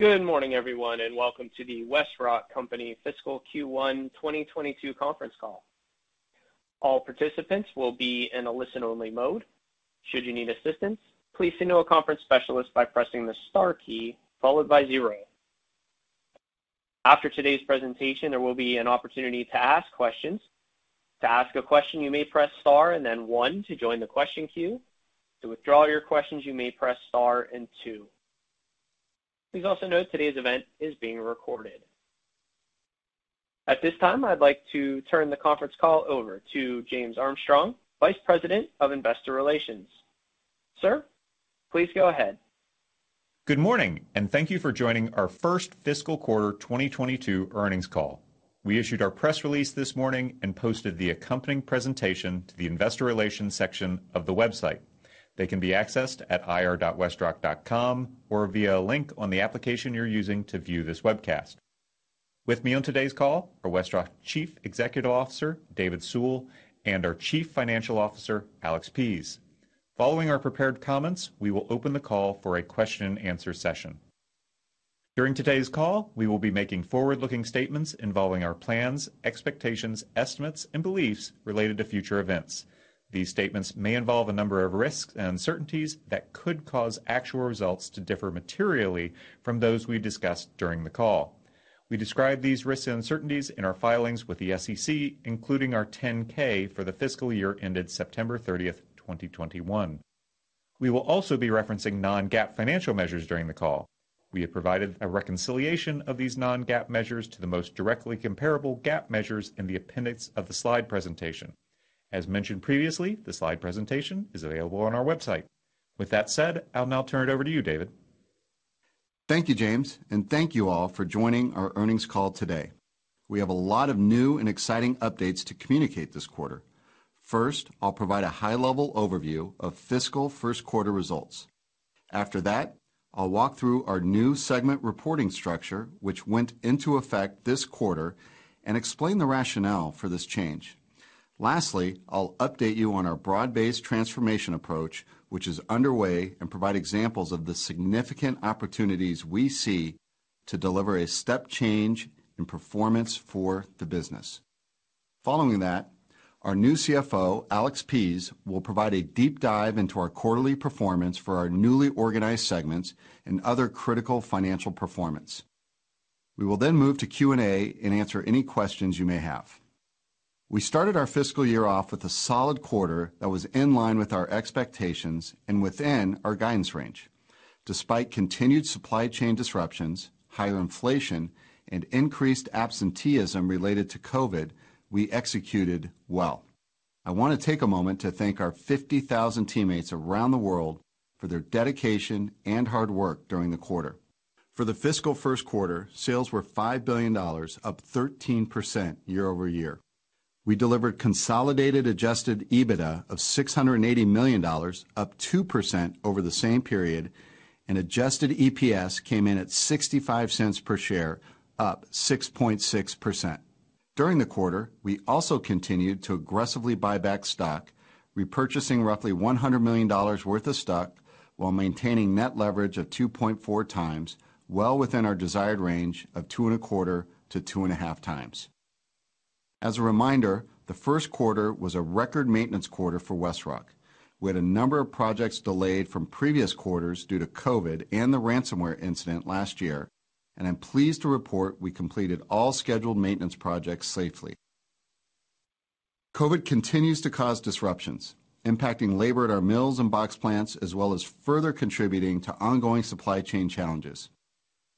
Good morning, everyone, and welcome to the WestRock Company Fiscal Q1 2022 Conference Call. All participants will be in a listen-only mode. Should you need assistance, please signal a conference specialist by pressing the Star key followed by zero. After today's presentation, there will be an opportunity to ask questions. To ask a question, you may press star and then one to join the question queue. To withdraw your questions, you may press star and two. Please also note today's event is being recorded. At this time, I'd like to turn the conference call over to James Armstrong, Vice President of Investor Relations. Sir, please go ahead. Good morning, and thank you for joining our first fiscal quarter 2022 earnings call. We issued our press release this morning and posted the accompanying presentation to the investor relations section of the website. They can be accessed at ir.westrock.com or via a link on the application you're using to view this webcast. With me on today's call are WestRock Chief Executive Officer David Sewell and our Chief Financial Officer Alex Pease. Following our prepared comments, we will open the call for a question and answer session. During today's call, we will be making forward-looking statements involving our plans, expectations, estimates, and beliefs related to future events. These statements may involve a number of risks and uncertainties that could cause actual results to differ materially from those we discuss during the call. We describe these risks and uncertainties in our filings with the SEC, including our 10-K for the fiscal year ended September 30th, 2021. We will also be referencing non-GAAP financial measures during the call. We have provided a reconciliation of these non-GAAP measures to the most directly comparable GAAP measures in the appendix of the slide presentation. As mentioned previously, the slide presentation is available on our website. With that said, I'll now turn it over to you, David. Thank you, James, and thank you all for joining our earnings call today. We have a lot of new and exciting updates to communicate this quarter. First, I'll provide a high-level overview of fiscal first quarter results. After that, I'll walk through our new segment reporting structure, which went into effect this quarter, and explain the rationale for this change. Lastly, I'll update you on our broad-based transformation approach, which is underway, and provide examples of the significant opportunities we see to deliver a step change in performance for the business. Following that, our new CFO, Alex Pease, will provide a deep dive into our quarterly performance for our newly organized segments and other critical financial performance. We will then move to Q&A and answer any questions you may have. We started our fiscal year off with a solid quarter that was in line with our expectations and within our guidance range. Despite continued supply chain disruptions, high inflation, and increased absenteeism related to COVID, we executed well. I wanna take a moment to thank our 50,000 teammates around the world for their dedication and hard work during the quarter. For the fiscal first quarter, sales were $5 billion, up 13% year-over-year. We delivered consolidated adjusted EBITDA of $680 million, up 2% over the same period, and adjusted EPS came in at $0.65 per share, up 6.6%. During the quarter, we also continued to aggressively buy back stock, repurchasing roughly $100 million worth of stock while maintaining net leverage of 2.4x, well within our desired range of 2.25x-2.5x. As a reminder, the first quarter was a record maintenance quarter for WestRock. We had a number of projects delayed from previous quarters due to COVID and the ransomware incident last year, and I'm pleased to report we completed all scheduled maintenance projects safely. COVID continues to cause disruptions, impacting labor at our mills and box plants, as well as further contributing to ongoing supply chain challenges.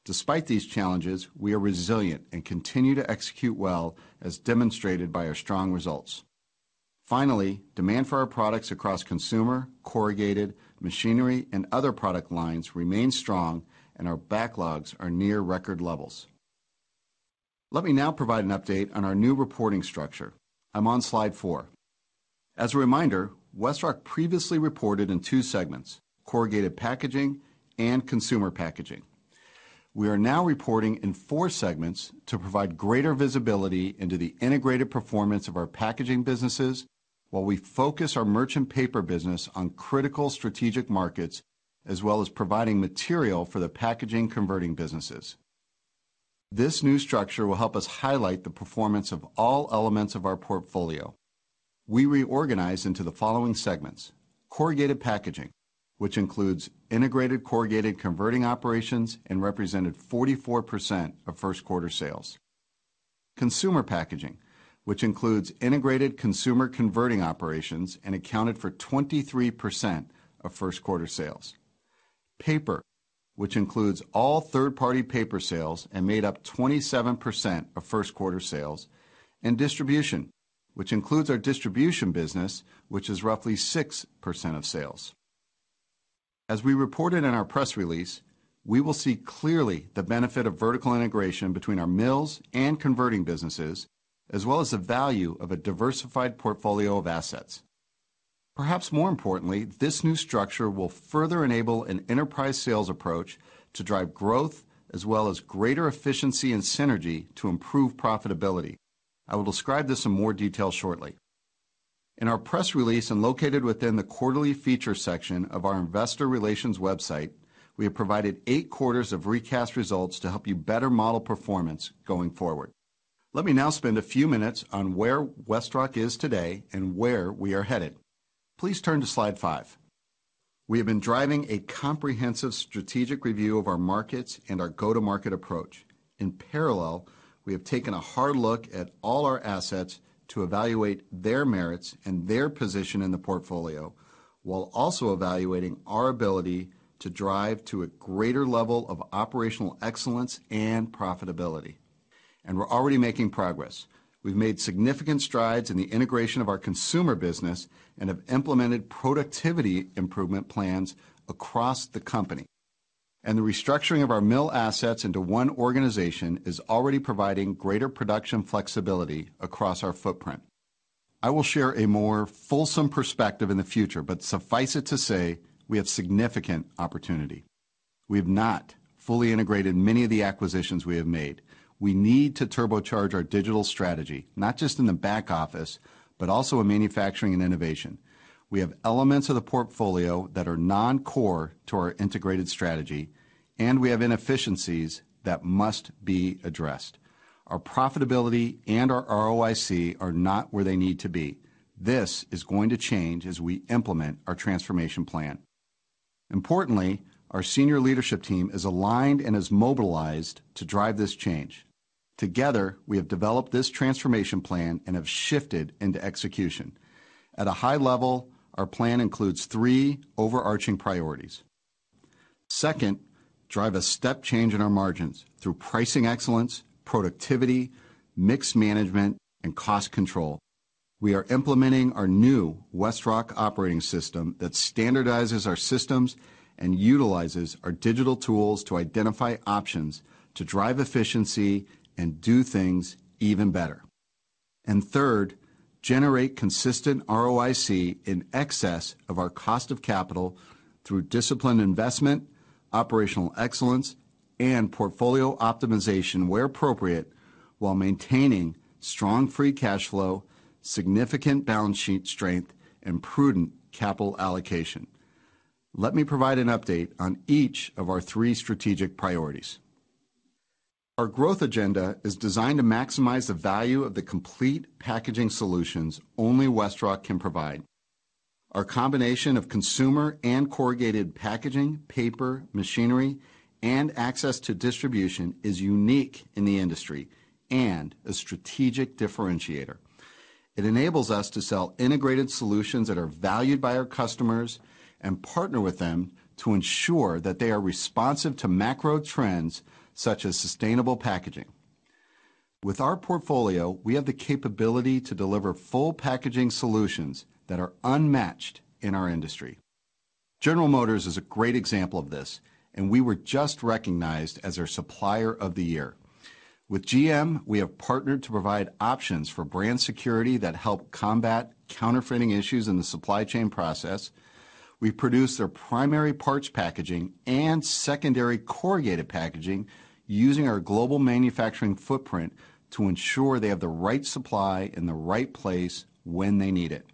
Despite these challenges, we are resilient and continue to execute well, as demonstrated by our strong results. Finally, demand for our products across consumer, corrugated, machinery, and other product lines remain strong, and our backlogs are near record levels. Let me now provide an update on our new reporting structure. I'm on slide four. As a reminder, WestRock previously reported in two segments: Corrugated Packaging and Consumer Packaging. We are now reporting in four segments to provide greater visibility into the integrated performance of our packaging businesses while we focus our merchant paper business on critical strategic markets, as well as providing material for the packaging converting businesses. This new structure will help us highlight the performance of all elements of our portfolio. We reorganized into the following segments: Corrugated Packaging, which includes integrated corrugated converting operations and represented 44% of first quarter sales. Consumer Packaging, which includes integrated consumer converting operations and accounted for 23% of first quarter sales. Paper, which includes all third-party paper sales and made up 27% of first quarter sales. Distribution, which includes our distribution business, which is roughly 6% of sales. As we reported in our press release, we will see clearly the benefit of vertical integration between our mills and converting businesses, as well as the value of a diversified portfolio of assets. Perhaps more importantly, this new structure will further enable an enterprise sales approach to drive growth as well as greater efficiency and synergy to improve profitability. I will describe this in more detail shortly. In our press release and located within the quarterly feature section of our investor relations website, we have provided eight quarters of recast results to help you better model performance going forward. Let me now spend a few minutes on where WestRock is today and where we are headed. Please turn to slide five. We have been driving a comprehensive strategic review of our markets and our go-to-market approach. In parallel, we have taken a hard look at all our assets to evaluate their merits and their position in the portfolio, while also evaluating our ability to drive to a greater level of operational excellence and profitability. We're already making progress. We've made significant strides in the integration of our consumer business and have implemented productivity improvement plans across the company. The restructuring of our mill assets into one organization is already providing greater production flexibility across our footprint. I will share a more fulsome perspective in the future, but suffice it to say, we have significant opportunity. We have not fully integrated many of the acquisitions we have made. We need to turbocharge our digital strategy, not just in the back office, but also in manufacturing and innovation. We have elements of the portfolio that are non-core to our integrated strategy, and we have inefficiencies that must be addressed. Our profitability and our ROIC are not where they need to be. This is going to change as we implement our transformation plan. Importantly, our senior leadership team is aligned and is mobilized to drive this change. Together, we have developed this transformation plan and have shifted into execution. At a high level, our plan includes three overarching priorities. Second, drive a step change in our margins through pricing excellence, productivity, mix management, and cost control. We are implementing our new WestRock Operating System that standardizes our systems and utilizes our digital tools to identify options to drive efficiency and do things even better. Third, generate consistent ROIC in excess of our cost of capital through disciplined investment, operational excellence, and portfolio optimization where appropriate, while maintaining strong free cash flow, significant balance sheet strength, and prudent capital allocation. Let me provide an update on each of our three strategic priorities. Our growth agenda is designed to maximize the value of the complete packaging solutions only WestRock can provide. Our combination of consumer and corrugated packaging, paper, machinery, and access to distribution is unique in the industry and a strategic differentiator. It enables us to sell integrated solutions that are valued by our customers and partner with them to ensure that they are responsive to macro trends, such as sustainable packaging. With our portfolio, we have the capability to deliver full packaging solutions that are unmatched in our industry. General Motors is a great example of this, and we were just recognized as their supplier of the year. With GM, we have partnered to provide options for brand security that help combat counterfeiting issues in the supply chain process. We produce their primary parts packaging and secondary corrugated packaging using our global manufacturing footprint to ensure they have the right supply in the right place when they need it.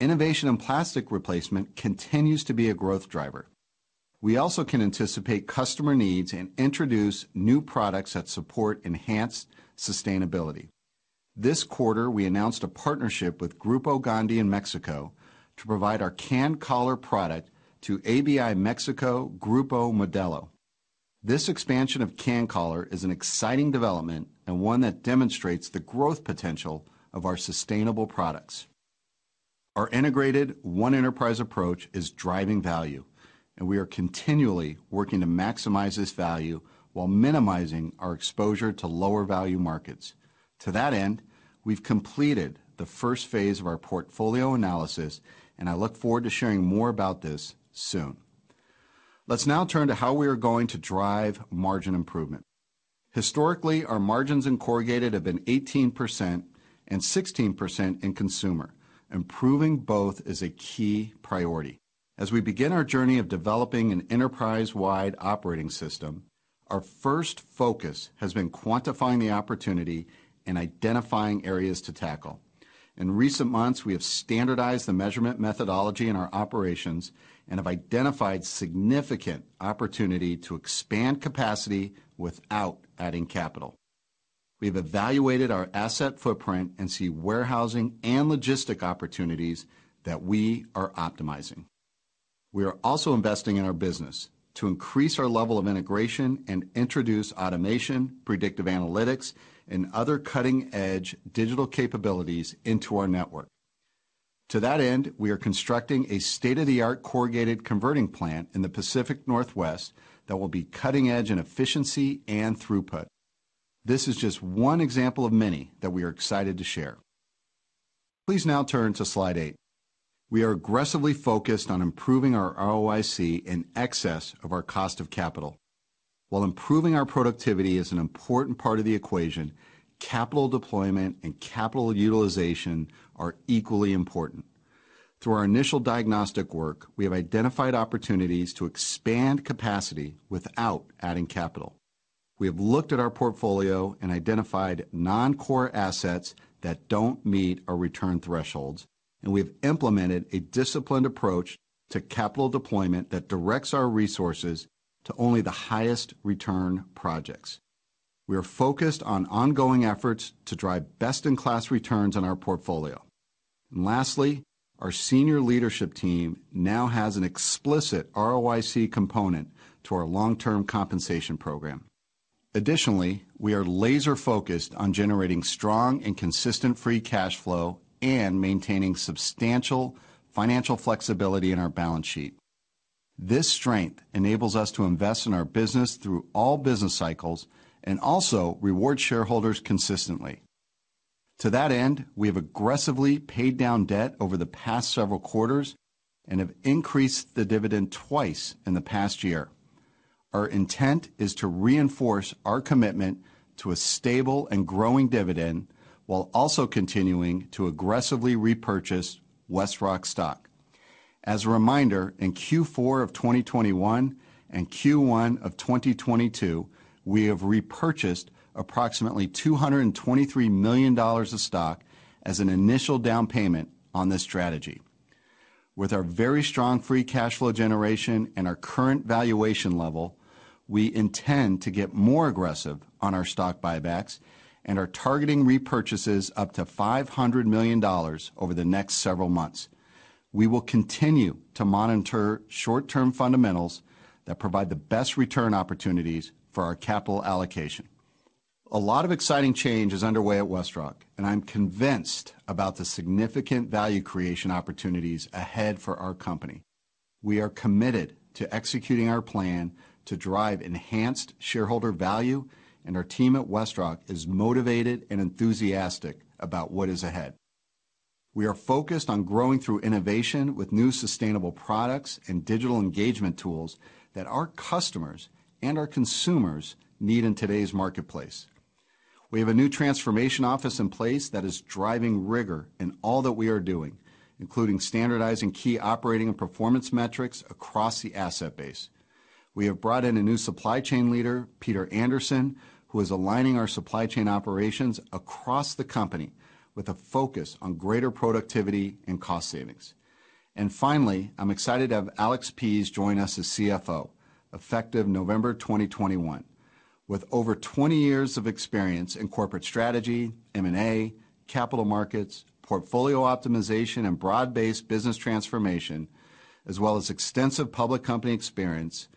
Innovation and plastic replacement continues to be a growth driver. We also can anticipate customer needs and introduce new products that support enhanced sustainability. This quarter, we announced a partnership with Grupo Gondi in Mexico to provide our CanCollar product to AB InBev Mexico, Grupo Modelo. This expansion of CanCollar is an exciting development and one that demonstrates the growth potential of our sustainable products. Our integrated one enterprise approach is driving value, and we are continually working to maximize this value while minimizing our exposure to lower value markets. To that end, we've completed the first phase of our portfolio analysis, and I look forward to sharing more about this soon. Let's now turn to how we are going to drive margin improvement. Historically, our margins in Corrugated have been 18% and 16% in Consumer. Improving both is a key priority. As we begin our journey of developing an enterprise-wide operating system, our first focus has been quantifying the opportunity and identifying areas to tackle. In recent months, we have standardized the measurement methodology in our operations and have identified significant opportunity to expand capacity without adding capital. We have evaluated our asset footprint and see warehousing and logistic opportunities that we are optimizing. We are also investing in our business to increase our level of integration and introduce automation, predictive analytics, and other cutting-edge digital capabilities into our network. To that end, we are constructing a state-of-the-art corrugated converting plant in the Pacific Northwest that will be cutting edge in efficiency and throughput. This is just one example of many that we are excited to share. Please now turn to slide eight. We are aggressively focused on improving our ROIC in excess of our cost of capital. While improving our productivity is an important part of the equation, capital deployment and capital utilization are equally important. Through our initial diagnostic work, we have identified opportunities to expand capacity without adding capital. We have looked at our portfolio and identified non-core assets that don't meet our return thresholds, and we have implemented a disciplined approach to capital deployment that directs our resources to only the highest return projects. We are focused on ongoing efforts to drive best-in-class returns on our portfolio. Lastly, our senior leadership team now has an explicit ROIC component to our long-term compensation program. Additionally, we are laser-focused on generating strong and consistent free cash flow and maintaining substantial financial flexibility in our balance sheet. This strength enables us to invest in our business through all business cycles and also reward shareholders consistently. To that end, we have aggressively paid down debt over the past several quarters and have increased the dividend twice in the past year. Our intent is to reinforce our commitment to a stable and growing dividend while also continuing to aggressively repurchase WestRock stock. As a reminder, in Q4 of 2021 and Q1 of 2022, we have repurchased approximately $223 million of stock as an initial down payment on this strategy. With our very strong free cash flow generation and our current valuation level, we intend to get more aggressive on our stock buybacks and are targeting repurchases up to $500 million over the next several months. We will continue to monitor short-term fundamentals that provide the best return opportunities for our capital allocation. A lot of exciting change is underway at WestRock, and I'm convinced about the significant value creation opportunities ahead for our company. We are committed to executing our plan to drive enhanced shareholder value, and our team at WestRock is motivated and enthusiastic about what is ahead. We are focused on growing through innovation with new sustainable products and digital engagement tools that our customers and our consumers need in today's marketplace. We have a new transformation office in place that is driving rigor in all that we are doing, including standardizing key operating and performance metrics across the asset base. We have brought in a new supply chain leader, Peter Anderson, who is aligning our supply chain operations across the company with a focus on greater productivity and cost savings. Finally, I'm excited to have Alex Pease join us as CFO, effective November 2021. With over 20 years of experience in corporate strategy, M&A, capital markets, portfolio optimization, and broad-based business transformation, as well as extensive public company experience,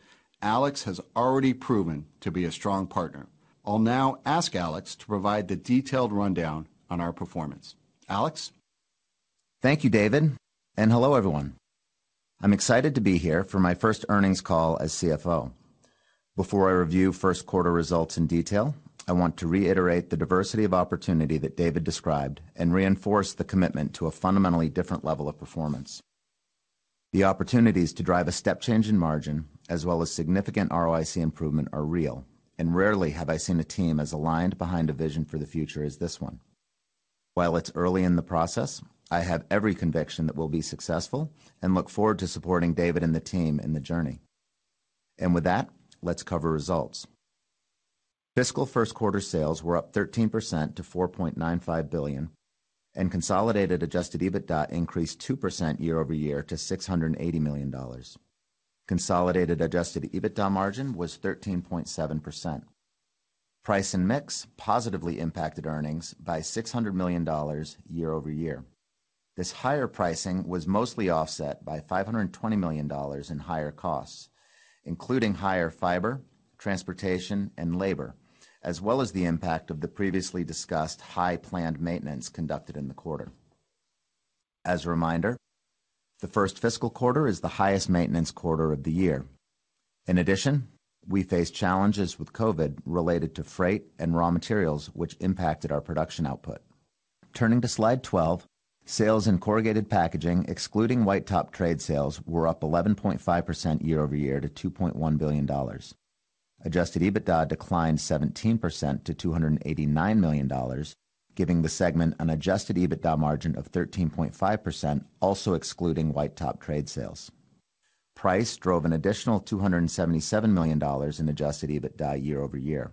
Alex has already proven to be a strong partner. I'll now ask Alex to provide the detailed rundown on our performance. Alex. Thank you, David, and hello, everyone. I'm excited to be here for my first earnings call as CFO. Before I review first quarter results in detail, I want to reiterate the diversity of opportunity that David described and reinforce the commitment to a fundamentally different level of performance. The opportunities to drive a step change in margin as well as significant ROIC improvement are real, and rarely have I seen a team as aligned behind a vision for the future as this one. While it's early in the process, I have every conviction that we'll be successful and look forward to supporting David and the team in the journey. With that, let's cover results. Fiscal first quarter sales were up 13% to $4.95 billion, and consolidated adjusted EBITDA increased 2% year over year to $680 million. Consolidated adjusted EBITDA margin was 13.7%. Price and mix positively impacted earnings by $600 million year-over-year. This higher pricing was mostly offset by $520 million in higher costs, including higher fiber, transportation, and labor, as well as the impact of the previously discussed high planned maintenance conducted in the quarter. As a reminder, the first fiscal quarter is the highest maintenance quarter of the year. In addition, we faced challenges with COVID related to freight and raw materials, which impacted our production output. Turning to slide 12, sales in corrugated packaging, excluding white top trade sales, were up 11.5% year over year to $2.1 billion. Adjusted EBITDA declined 17% to $289 million, giving the segment an adjusted EBITDA margin of 13.5%, also excluding white top trade sales. Price drove an additional $277 million in adjusted EBITDA year-over-year.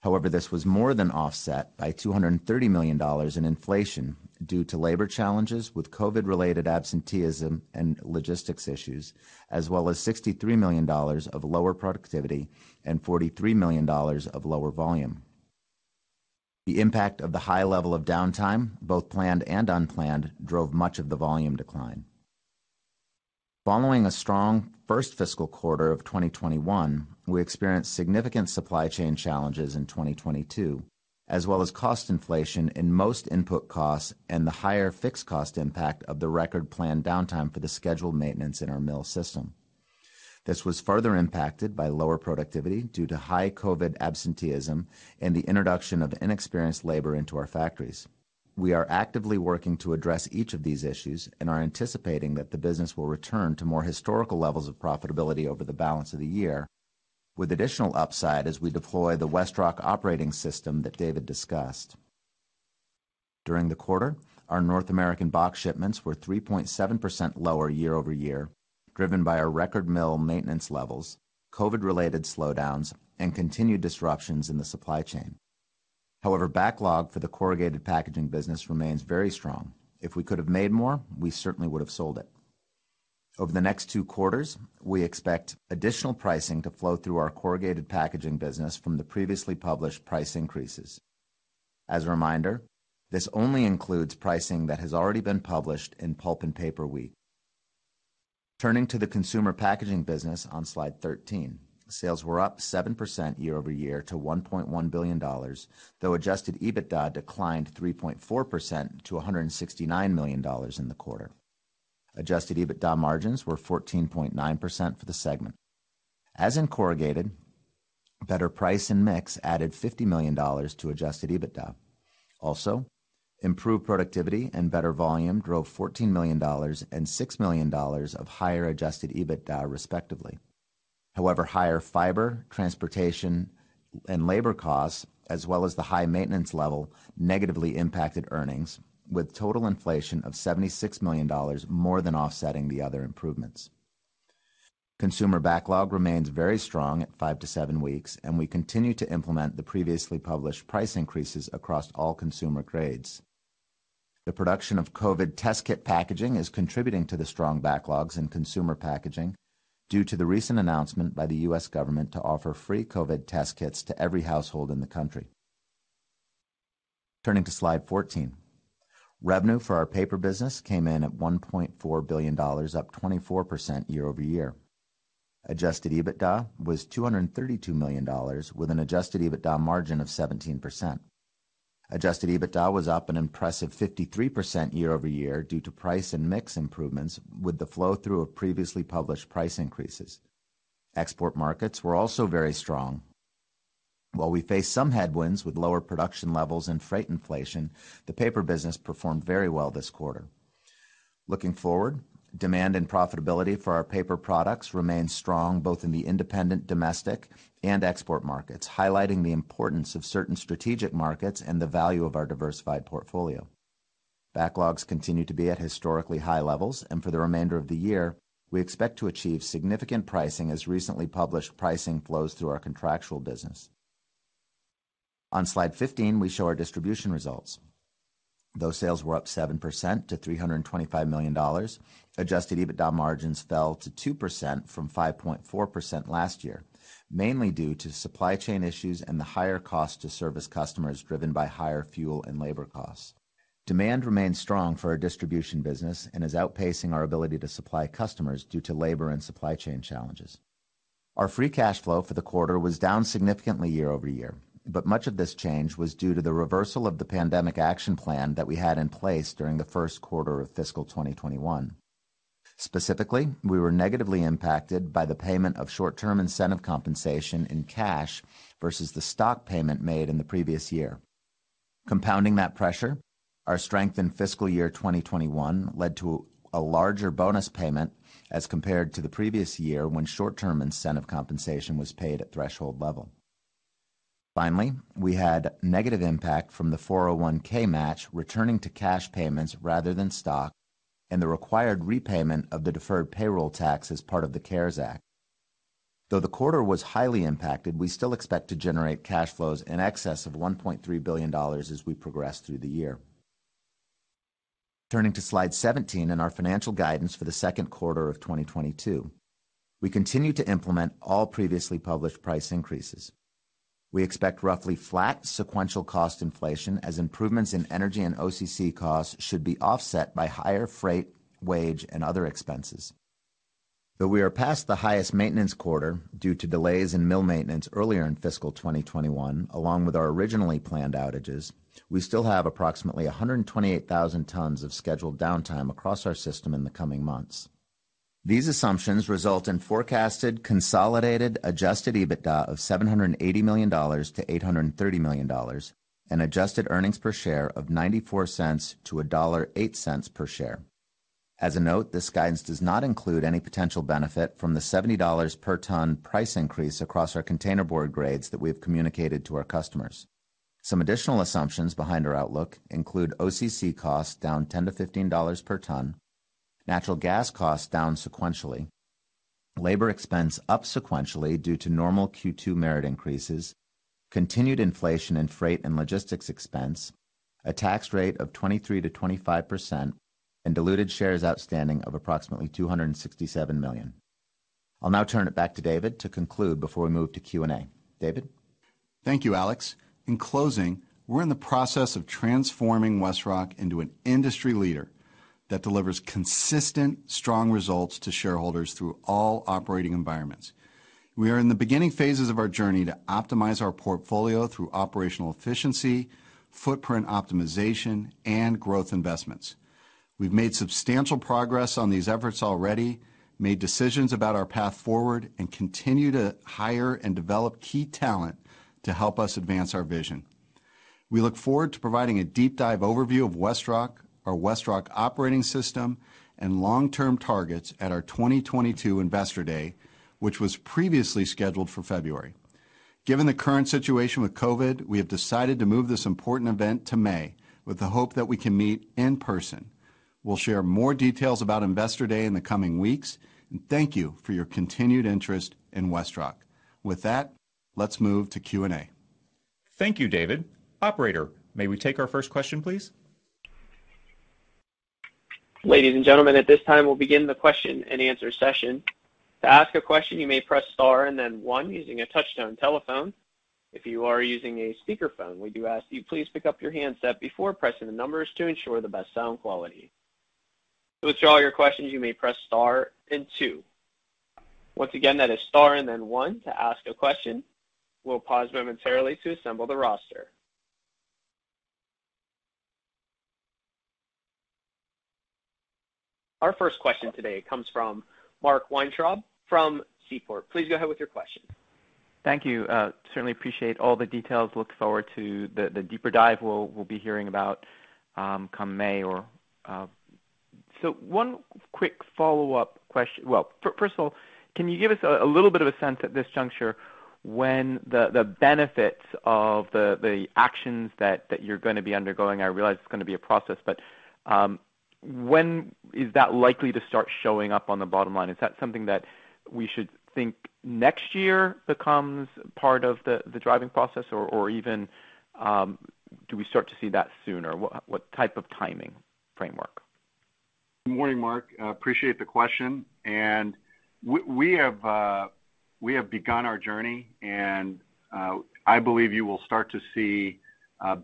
However, this was more than offset by $230 million in inflation due to labor challenges with COVID-related absenteeism and logistics issues, as well as $63 million of lower productivity and $43 million of lower volume. The impact of the high level of downtime, both planned and unplanned, drove much of the volume decline. Following a strong first fiscal quarter of 2021, we experienced significant supply chain challenges in 2022, as well as cost inflation in most input costs and the higher fixed cost impact of the record planned downtime for the scheduled maintenance in our mill system. This was further impacted by lower productivity due to high COVID absenteeism and the introduction of inexperienced labor into our factories. We are actively working to address each of these issues and are anticipating that the business will return to more historical levels of profitability over the balance of the year. With additional upside as we deploy the WestRock Operating System that David discussed. During the quarter, our North American box shipments were 3.7% lower year-over-year, driven by our record mill maintenance levels, COVID-related slowdowns, and continued disruptions in the supply chain. However, backlog for the corrugated packaging business remains very strong. If we could have made more, we certainly would have sold it. Over the next two quarters, we expect additional pricing to flow through our corrugated packaging business from the previously published price increases. As a reminder, this only includes pricing that has already been published in Pulp and Paper Week. Turning to the consumer packaging business on slide 13. Sales were up 7% year-over-year to $1.1 billion, though adjusted EBITDA declined 3.4% to $169 million in the quarter. Adjusted EBITDA margins were 14.9% for the segment. As in corrugated, better price and mix added $50 million to adjusted EBITDA. Also, improved productivity and better volume drove $14 million and $6 million of higher adjusted EBITDA, respectively. However, higher fiber, transportation, and labor costs, as well as the high maintenance level, negatively impacted earnings with total inflation of $76 million, more than offsetting the other improvements. Consumer backlog remains very strong at five to seven weeks, and we continue to implement the previously published price increases across all consumer grades. The production of COVID test kit packaging is contributing to the strong backlogs in consumer packaging due to the recent announcement by the U.S. government to offer free COVID test kits to every household in the country. Turning to slide 14. Revenue for our paper business came in at $1.4 billion, up 24% year-over-year. Adjusted EBITDA was $232 million with an adjusted EBITDA margin of 17%. Adjusted EBITDA was up an impressive 53% year-over-year due to price and mix improvements with the flow through of previously published price increases. Export markets were also very strong. While we face some headwinds with lower production levels and freight inflation, the paper business performed very well this quarter. Looking forward, demand and profitability for our paper products remain strong, both in the independent domestic and export markets, highlighting the importance of certain strategic markets and the value of our diversified portfolio. Backlogs continue to be at historically high levels, and for the remainder of the year, we expect to achieve significant pricing as recently published pricing flows through our contractual business. On slide 15, we show our distribution results. Though sales were up 7% to $325 million, adjusted EBITDA margins fell to 2% from 5.4% last year, mainly due to supply chain issues and the higher cost to service customers driven by higher fuel and labor costs. Demand remains strong for our distribution business and is outpacing our ability to supply customers due to labor and supply chain challenges. Our free cash flow for the quarter was down significantly year-over-year, but much of this change was due to the reversal of the pandemic action plan that we had in place during the first quarter of fiscal 2021. Specifically, we were negatively impacted by the payment of short-term incentive compensation in cash versus the stock payment made in the previous year. Compounding that pressure, our strength in fiscal year 2021 led to a larger bonus payment as compared to the previous year when short-term incentive compensation was paid at threshold level. Finally, we had negative impact from the 401(k) match, returning to cash payments rather than stock, and the required repayment of the deferred payroll tax as part of the CARES Act. Though the quarter was highly impacted, we still expect to generate cash flows in excess of $1.3 billion as we progress through the year. Turning to slide 17 and our financial guidance for the second quarter of 2022. We continue to implement all previously published price increases. We expect roughly flat sequential cost inflation as improvements in energy and OCC costs should be offset by higher freight, wage, and other expenses. Though we are past the highest maintenance quarter due to delays in mill maintenance earlier in fiscal 2021, along with our originally planned outages, we still have approximately 128,000 tons of scheduled downtime across our system in the coming months. These assumptions result in forecasted consolidated adjusted EBITDA of $780 million-$830 million, and adjusted earnings per share of $0.94-$1.08 per share. As a note, this guidance does not include any potential benefit from the $70 per ton price increase across our container board grades that we have communicated to our customers. Some additional assumptions behind our outlook include OCC costs down $10-$15 per ton, natural gas costs down sequentially, labor expense up sequentially due to normal Q2 merit increases, continued inflation in freight and logistics expense, a tax rate of 23%-25%, and diluted shares outstanding of approximately 267 million. I'll now turn it back to David to conclude before we move to Q&A. David? Thank you, Alex. In closing, we're in the process of transforming WestRock into an industry leader that delivers consistent, strong results to shareholders through all operating environments. We are in the beginning phases of our journey to optimize our portfolio through operational efficiency, footprint optimization, and growth investments. We've made substantial progress on these efforts already, made decisions about our path forward, and continue to hire and develop key talent to help us advance our vision. We look forward to providing a deep dive overview of WestRock, our WestRock Operating System, and long-term targets at our 2022 Investor Day, which was previously scheduled for February. Given the current situation with COVID, we have decided to move this important event to May with the hope that we can meet in person. We'll share more details about Investor Day in the coming weeks, and thank you for your continued interest in WestRock. With that, let's move to Q&A. Thank you, David. Operator, may we take our first question, please? Ladies and gentlemen, at this time, we'll begin the question and answer session. To ask a question, you may press star and then one using a touch-tone telephone. If you are using a speakerphone, we do ask you please pick up your handset before pressing the numbers to ensure the best sound quality. To withdraw your questions, you may press star and two. Once again, that is star and then one to ask a question. We'll pause momentarily to assemble the roster. Our first question today comes from Mark Weintraub from Seaport Research Partners. Please go ahead with your question. Thank you. Certainly appreciate all the details. Look forward to the deeper dive we'll be hearing about, come May or. One quick follow-up. Well, first of all, can you give us a little bit of a sense at this juncture when the benefits of the actions that you're gonna be undergoing? I realize it's gonna be a process, but when is that likely to start showing up on the bottom line? Is that something that we should think next year becomes part of the driving process? Or even, do we start to see that sooner? What type of timing framework? Good morning, Mark. I appreciate the question. We have begun our journey. I believe you will start to see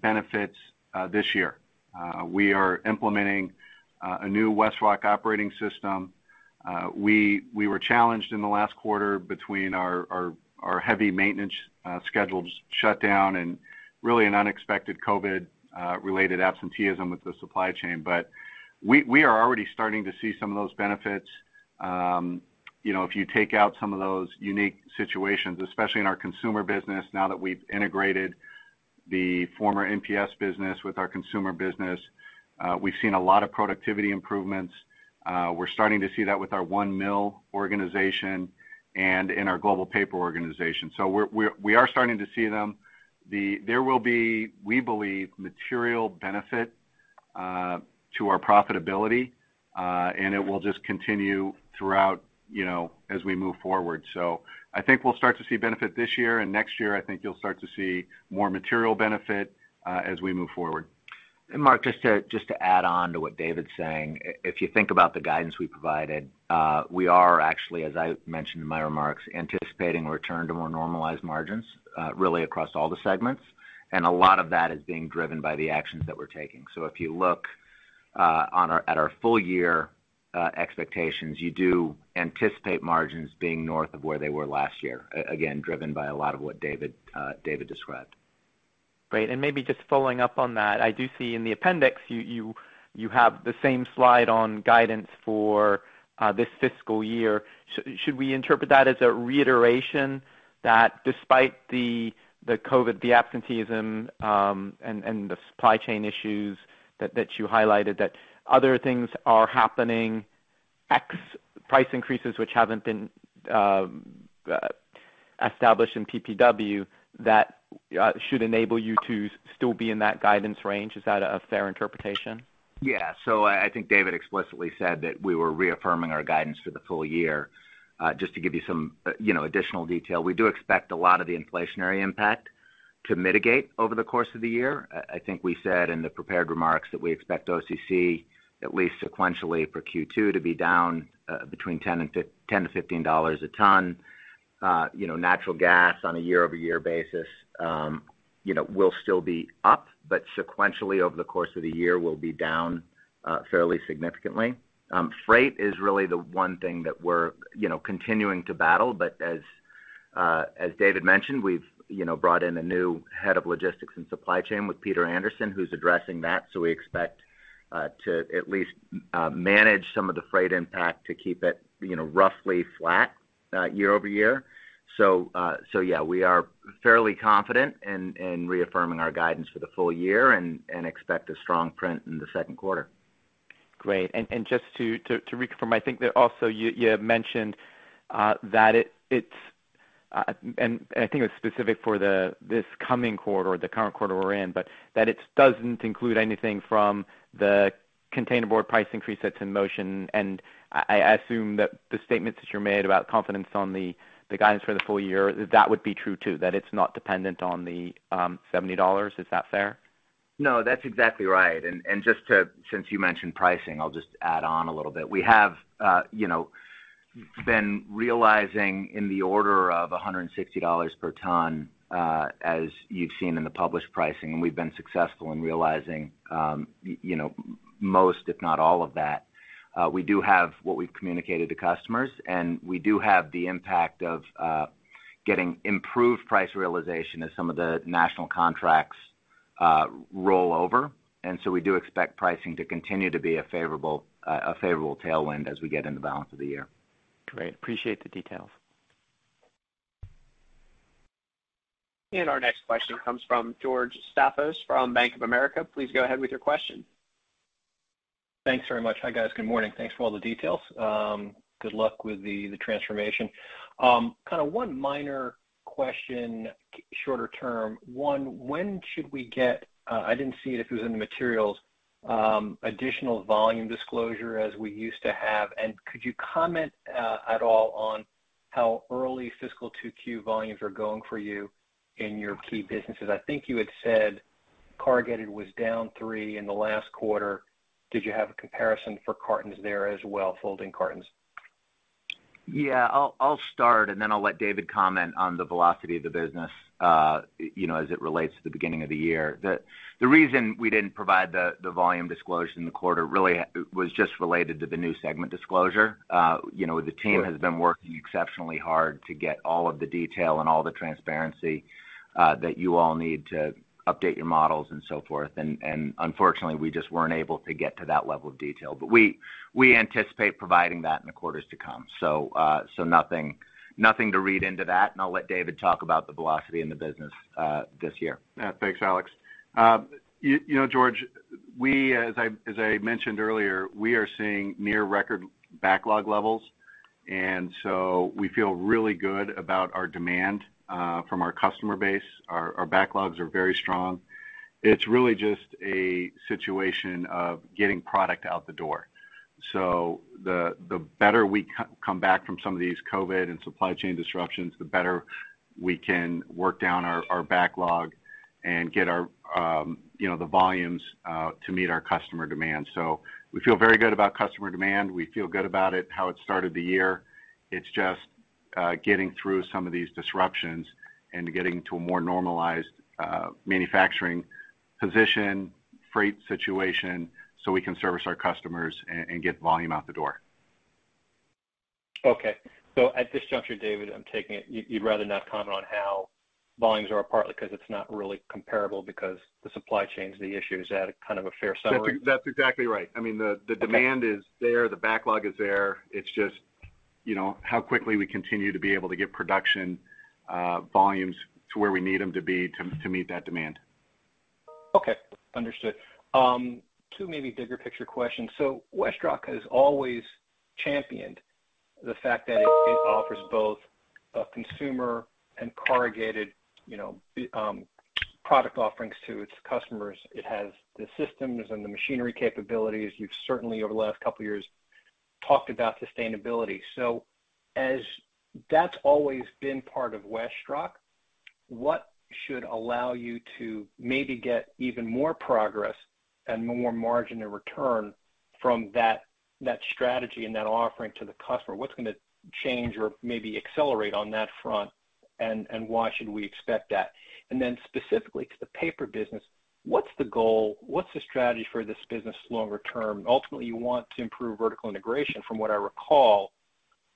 benefits this year. We are implementing a new WestRock Operating System. We were challenged in the last quarter between our heavy maintenance schedule shutdowns and really an unexpected COVID-related absenteeism with the supply chain. We are already starting to see some of those benefits. You know, if you take out some of those unique situations, especially in our consumer business, now that we've integrated the former MPS business with our consumer business, we've seen a lot of productivity improvements. We're starting to see that with our One Mill organization and in our global paper organization. We are starting to see them. There will be, we believe, material benefit to our profitability, and it will just continue throughout, you know, as we move forward. I think we'll start to see benefit this year, and next year, I think you'll start to see more material benefit, as we move forward. Mark, just to add on to what David's saying. If you think about the guidance we provided, we are actually, as I mentioned in my remarks, anticipating a return to more normalized margins, really across all the segments, and a lot of that is being driven by the actions that we're taking. If you look at our full year expectations, you do anticipate margins being north of where they were last year, again, driven by a lot of what David described. Great. Maybe just following up on that, I do see in the appendix, you have the same slide on guidance for this fiscal year. Should we interpret that as a reiteration that despite the COVID, the absenteeism, and the supply chain issues that you highlighted, that other things are happening, X price increases which haven't been established in PPW that should enable you to still be in that guidance range. Is that a fair interpretation? Yeah. I think David explicitly said that we were reaffirming our guidance for the full year. Just to give you some, you know, additional detail, we do expect a lot of the inflationary impact to mitigate over the course of the year. I think we said in the prepared remarks that we expect OCC, at least sequentially for Q2, to be down between $10-$15 a ton. You know, natural gas on a year-over-year basis, you know, will still be up, but sequentially over the course of the year will be down fairly significantly. Freight is really the one thing that we're, you know, continuing to battle. As David mentioned, we've, you know, brought in a new head of logistics and supply chain with Peter Anderson, who's addressing that. We expect to at least manage some of the freight impact to keep it, you know, roughly flat year-over-year. We are fairly confident in reaffirming our guidance for the full year and expect a strong print in the second quarter. Great. Just to reaffirm, I think that also you had mentioned that it is, and I think it was specific for this coming quarter or the current quarter we're in, but that it doesn't include anything from the containerboard price increase that's in motion. I assume that the statements that you made about confidence on the guidance for the full year would be true, too, that it's not dependent on the $70. Is that fair? No, that's exactly right. Since you mentioned pricing, I'll just add on a little bit. We have, you know, been realizing in the order of $160 per ton, as you've seen in the published pricing, and we've been successful in realizing, you know, most, if not all of that. We do have what we've communicated to customers, and we do have the impact of getting improved price realization as some of the national contracts roll over. We do expect pricing to continue to be a favorable tailwind as we get in the balance of the year. Great. Appreciate the details. Our next question comes from George Staphos from Bank of America. Please go ahead with your question. Thanks very much. Hi, guys. Good morning. Thanks for all the details. Good luck with the transformation. Kind of one minor question, shorter term. One, when should we get, I didn't see it if it was in the materials, additional volume disclosure as we used to have? Could you comment at all on how early fiscal 2Q volumes are going for you in your key businesses? I think you had said corrugated was down 3% in the last quarter. Did you have a comparison for cartons there as well, folding cartons? Yeah. I'll start, and then I'll let David comment on the velocity of the business, you know, as it relates to the beginning of the year. The reason we didn't provide the volume disclosure in the quarter really was just related to the new segment disclosure. You know, the team has been working exceptionally hard to get all of the detail and all the transparency that you all need to update your models and so forth. Unfortunately, we just weren't able to get to that level of detail. We anticipate providing that in the quarters to come. Nothing to read into that. I'll let David talk about the velocity in the business this year. Yeah. Thanks, Alex. You know, George, we, as I mentioned earlier, we are seeing near record backlog levels, and so we feel really good about our demand from our customer base. Our backlogs are very strong. It's really just a situation of getting product out the door. The better we come back from some of these COVID and supply chain disruptions, the better we can work down our backlog and get our you know, the volumes to meet our customer demand. We feel very good about customer demand. We feel good about it, how it started the year. It's just getting through some of these disruptions and getting to a more normalized manufacturing position, freight situation, so we can service our customers and get volume out the door. Okay. At this juncture, David, I'm taking it you'd rather not comment on how volumes are, partly 'cause it's not really comparable because the supply chains, the issue. Is that a kind of a fair summary? That's exactly right. I mean, the demand- Okay. Yes, the backlog is there. It's just, you know, how quickly we continue to be able to get production volumes to where we need them to be to meet that demand. Okay. Understood. Two maybe bigger picture questions. WestRock has always championed the fact that it offers both a consumer and corrugated, you know, product offerings to its customers. It has the systems and the machinery capabilities. You've certainly over the last couple of years talked about sustainability. As that's always been part of WestRock, what should allow you to maybe get even more progress and more margin in return from that strategy and that offering to the customer? What's gonna change or maybe accelerate on that front, and why should we expect that? Specifically to the paper business, what's the goal? What's the strategy for this business longer term? Ultimately, you want to improve vertical integration from what I recall.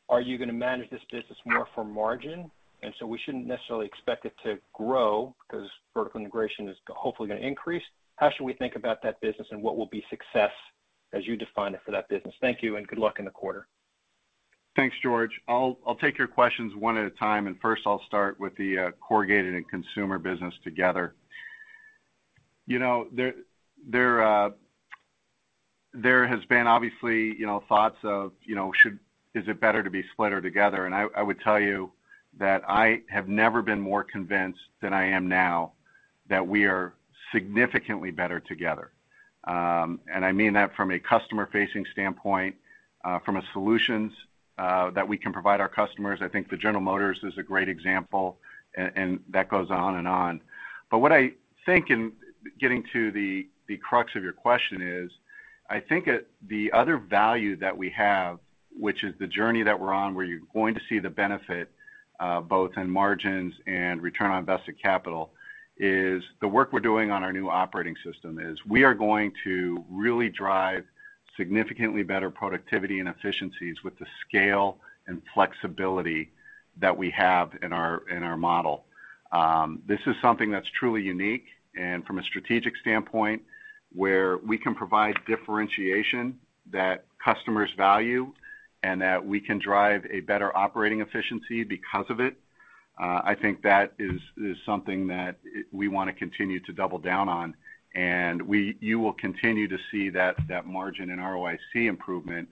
Are you gonna manage this business more for margin, and so we shouldn't necessarily expect it to grow because vertical integration is hopefully gonna increase? How should we think about that business, and what will be success as you define it for that business? Thank you, and good luck in the quarter. Thanks, George. I'll take your questions one at a time, and first I'll start with the corrugated and consumer business together. You know, there has been obviously, you know, thoughts of, you know, is it better to be split or together? I would tell you that I have never been more convinced than I am now that we are significantly better together. I mean that from a customer-facing standpoint, from a solutions that we can provide our customers. I think General Motors is a great example, and that goes on and on. What I think in getting to the crux of your question is the other value that we have, which is the journey that we're on, where you're going to see the benefit both in margins and return on invested capital, is the work we're doing on our new Operating System. We are going to really drive significantly better productivity and efficiencies with the scale and flexibility that we have in our model. This is something that's truly unique and from a strategic standpoint where we can provide differentiation that customers value and that we can drive a better operating efficiency because of it. I think that is something that we wanna continue to double down on, and you will continue to see that margin in ROIC improvement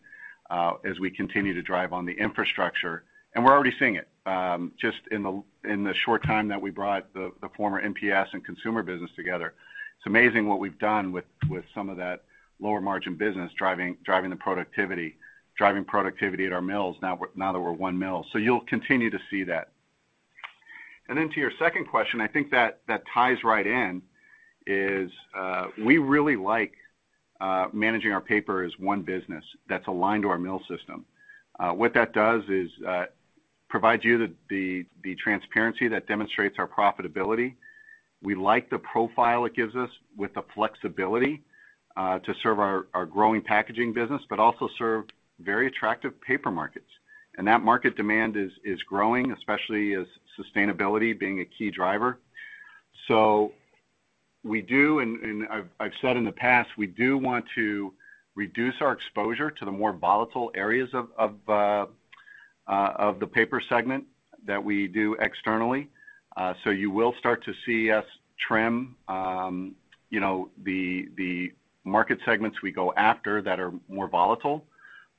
as we continue to drive on the infrastructure. We're already seeing it. Just in the short time that we brought the former MPS and consumer business together, it's amazing what we've done with some of that lower margin business driving productivity at our mills now that we're one mill. You'll continue to see that. Then to your second question, I think that ties right in, we really like managing our paper as one business that's aligned to our mill system. What that does is provide you the transparency that demonstrates our profitability. We like the profile it gives us with the flexibility to serve our growing packaging business, but also serve very attractive paper markets. That market demand is growing, especially as sustainability being a key driver. We do, and I've said in the past, we do want to reduce our exposure to the more volatile areas of the paper segment that we do externally. So you will start to see us trim you know the market segments we go after that are more volatile.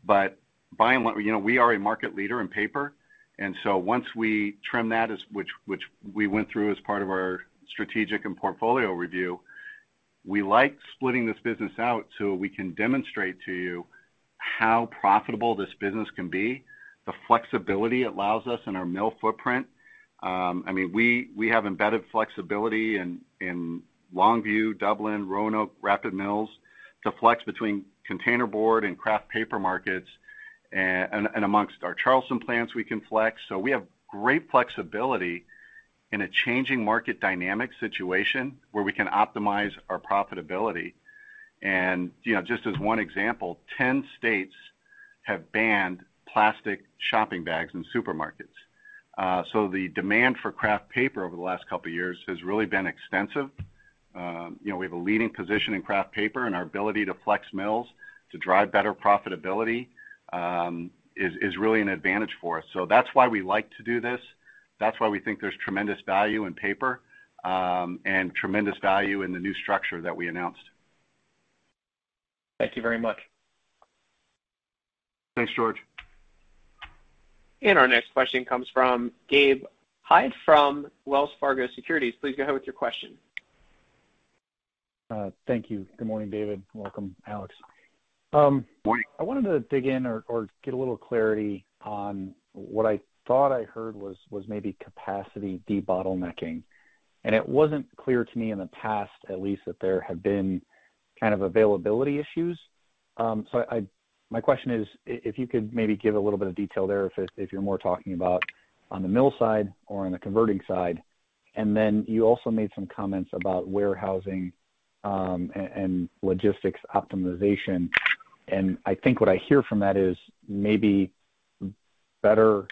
By and large, you know, we are a market leader in paper, and so once we trim that, which we went through as part of our strategic and portfolio review, we like splitting this business out so we can demonstrate to you how profitable this business can be, the flexibility it allows us in our mill footprint. I mean, we have embedded flexibility in Longview, Dublin, Roanoke Rapids Mills to flex between container board and kraft paper markets and amongst our Charleston plants, we can flex. We have great flexibility in a changing market dynamic situation where we can optimize our profitability. You know, just as one example, 10 states have banned plastic shopping bags in supermarkets. The demand for kraft paper over the last couple of years has really been extensive. You know, we have a leading position in kraft paper, and our ability to flex mills to drive better profitability is really an advantage for us. That's why we like to do this. That's why we think there's tremendous value in paper, and tremendous value in the new structure that we announced. Thank you very much. Thanks, George. Our next question comes from Gabe Hajde from Wells Fargo Securities. Please go ahead with your question. Thank you. Good morning, David. Welcome, Alex. Morning. I wanted to dig in or get a little clarity on what I thought I heard was maybe capacity debottlenecking. It wasn't clear to me in the past, at least, that there had been kind of availability issues. My question is, if you could maybe give a little bit of detail there if you're more talking about on the mill side or on the converting side. Then you also made some comments about warehousing and logistics optimization. I think what I hear from that is maybe better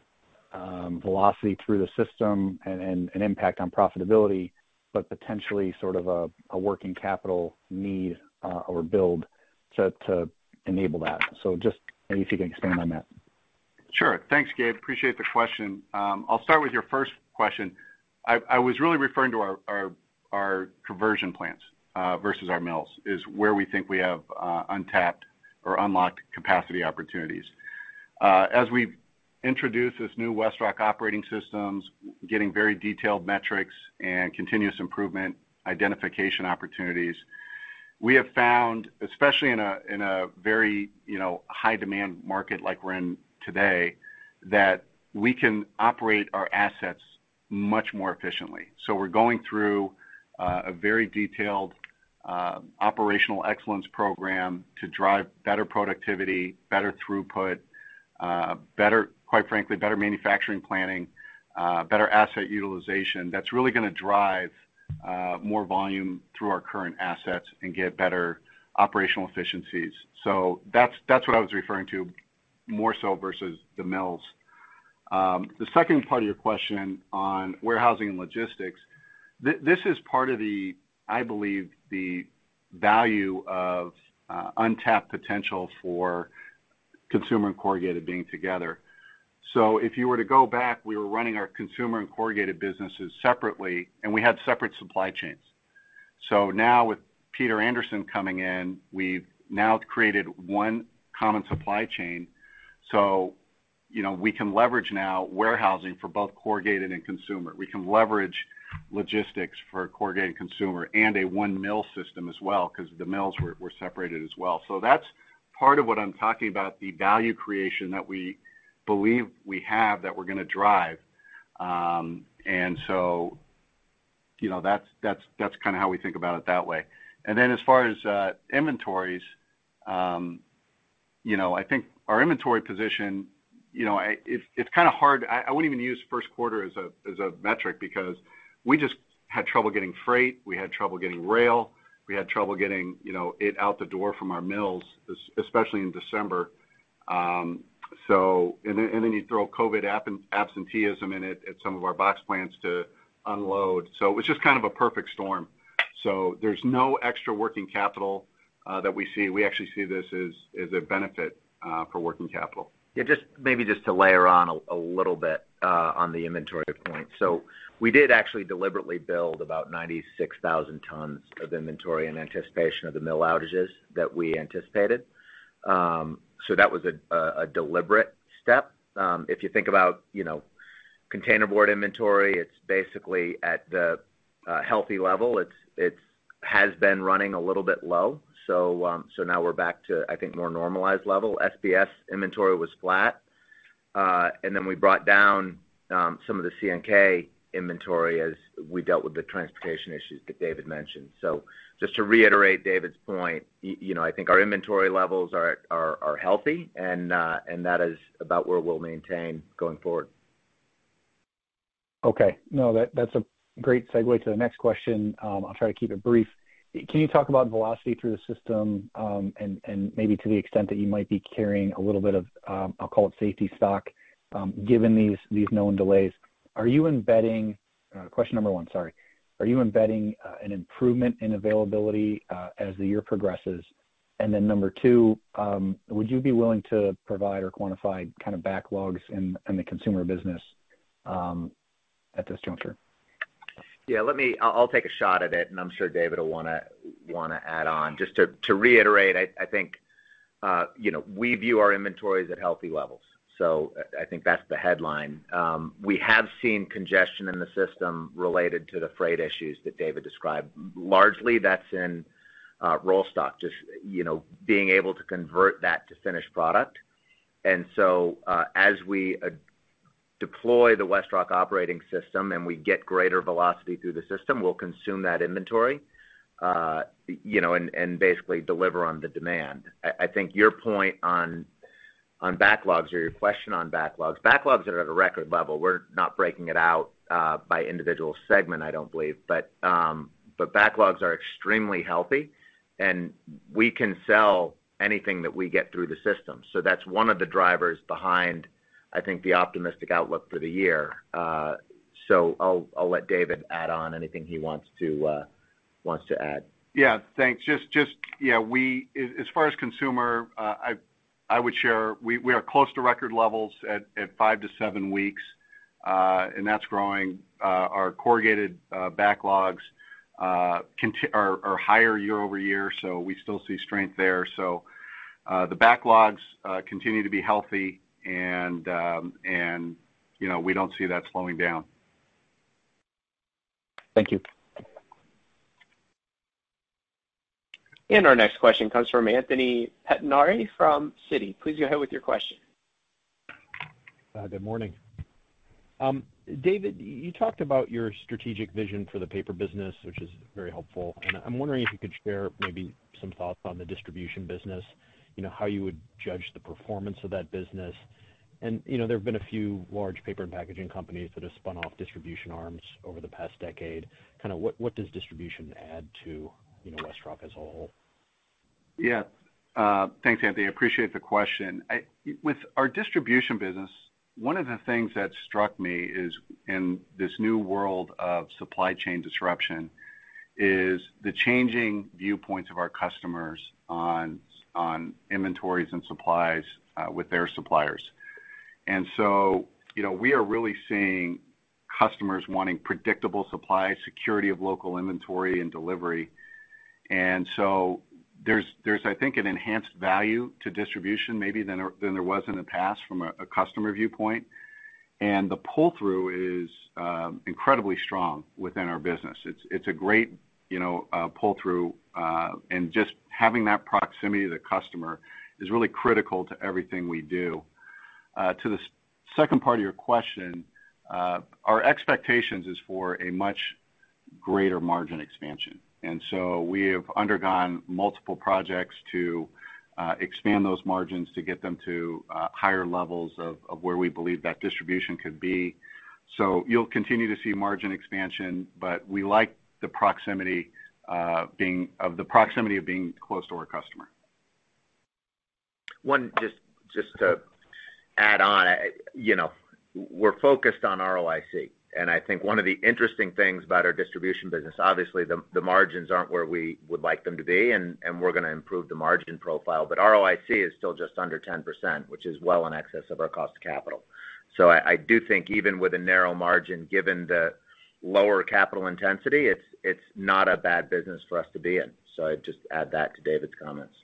velocity through the system and an impact on profitability, but potentially sort of a working capital need or build to enable that. Just maybe if you can expand on that. Sure. Thanks, Gabe. Appreciate the question. I'll start with your first question. I was really referring to our conversion plants versus our mills, where we think we have untapped or unlocked capacity opportunities. As we've introduced this new WestRock Operating System, getting very detailed metrics and continuous improvement identification opportunities, we have found, especially in a very, you know, high demand market like we're in today, that we can operate our assets much more efficiently. We're going through a very detailed operational excellence program to drive better productivity, better throughput, better, quite frankly, better manufacturing planning, better asset utilization that's really gonna drive more volume through our current assets and get better operational efficiencies. That's what I was referring to more so versus the mills. The second part of your question on warehousing and logistics. This is part of the, I believe the value of, untapped potential for consumer and corrugated being together. If you were to go back, we were running our consumer and corrugated businesses separately, and we had separate supply chains. Now with Peter Anderson coming in, we've now created one common supply chain. You know, we can leverage now warehousing for both corrugated and consumer. We can leverage logistics for corrugated and consumer and a one mill system as well, because the mills were separated as well. That's part of what I'm talking about, the value creation that we believe we have that we're gonna drive. And so, you know, that's kinda how we think about it that way. As far as inventories, you know, I think our inventory position, you know, it's kinda hard. I wouldn't even use first quarter as a metric because we just had trouble getting freight, we had trouble getting rail, we had trouble getting, you know, it out the door from our mills, especially in December. You throw COVID absenteeism in it at some of our box plants to unload. It was just kind of a perfect storm. There's no extra working capital that we see. We actually see this as a benefit for working capital. Yeah, just maybe to layer on a little bit on the inventory point. We did actually deliberately build about 96,000 tons of inventory in anticipation of the mill outages that we anticipated. That was a deliberate step. If you think about, you know, container board inventory, it's basically at the healthy level. It has been running a little bit low. Now we're back to, I think, more normalized level. SBS inventory was flat. Then we brought down some of the CNK inventory as we dealt with the transportation issues that David mentioned. Just to reiterate David's point, you know, I think our inventory levels are healthy and that is about where we'll maintain going forward. Okay. No, that's a great segue to the next question. I'll try to keep it brief. Can you talk about velocity through the system, and maybe to the extent that you might be carrying a little bit of, I'll call it safety stock, given these known delays? Question number one, sorry. Are you embedding an improvement in availability as the year progresses? And then number two, would you be willing to provide or quantify kind of backlogs in the consumer business at this juncture? Yeah, let me, I'll take a shot at it, and I'm sure David will wanna add on. Just to reiterate, I think, you know, we view our inventories at healthy levels. I think that's the headline. We have seen congestion in the system related to the freight issues that David described. Largely that's in roll stock, just, you know, being able to convert that to finished product. As we deploy the WestRock Operating System and we get greater velocity through the system, we'll consume that inventory, you know, and basically deliver on the demand. I think your point on backlogs or your question on backlogs are at a record level. We're not breaking it out by individual segment, I don't believe. Backlogs are extremely healthy, and we can sell anything that we get through the system. That's one of the drivers behind, I think, the optimistic outlook for the year. I'll let David add on anything he wants to add. Yeah. Thanks. Just as far as consumer, I would share we are close to record levels at five o weeks, and that's growing. Our corrugated backlogs are higher year-over-year, so we still see strength there. The backlogs continue to be healthy, and you know, we don't see that slowing down. Thank you. Our next question comes from Anthony Pettinari from Citi. Please go ahead with your question. Good morning. David, you talked about your strategic vision for the paper business, which is very helpful. I'm wondering if you could share maybe some thoughts on the distribution business, you know, how you would judge the performance of that business. You know, there have been a few large paper and packaging companies that have spun off distribution arms over the past decade. Kind of, what does distribution add to, you know, WestRock as a whole? Yeah. Thanks, Anthony. I appreciate the question. With our distribution business, one of the things that struck me is in this new world of supply chain disruption, is the changing viewpoints of our customers on inventories and supplies with their suppliers. You know, we are really seeing customers wanting predictable supply, security of local inventory and delivery. There's, I think, an enhanced value to distribution maybe than there was in the past from a customer viewpoint. The pull-through is incredibly strong within our business. It's a great, you know, pull-through, and just having that proximity to the customer is really critical to everything we do. To the second part of your question, our expectations is for a much greater margin expansion. We have undergone multiple projects to expand those margins to get them to higher levels of where we believe that distribution could be. You'll continue to see margin expansion, but we like the proximity of being close to our customer. Just to add on. You know, we're focused on ROIC, and I think one of the interesting things about our distribution business, obviously the margins aren't where we would like them to be, and we're gonna improve the margin profile, but ROIC is still just under 10%, which is well in excess of our cost of capital. I do think even with a narrow margin, given the lower capital intensity, it's not a bad business for us to be in. I'd just add that to David's comments.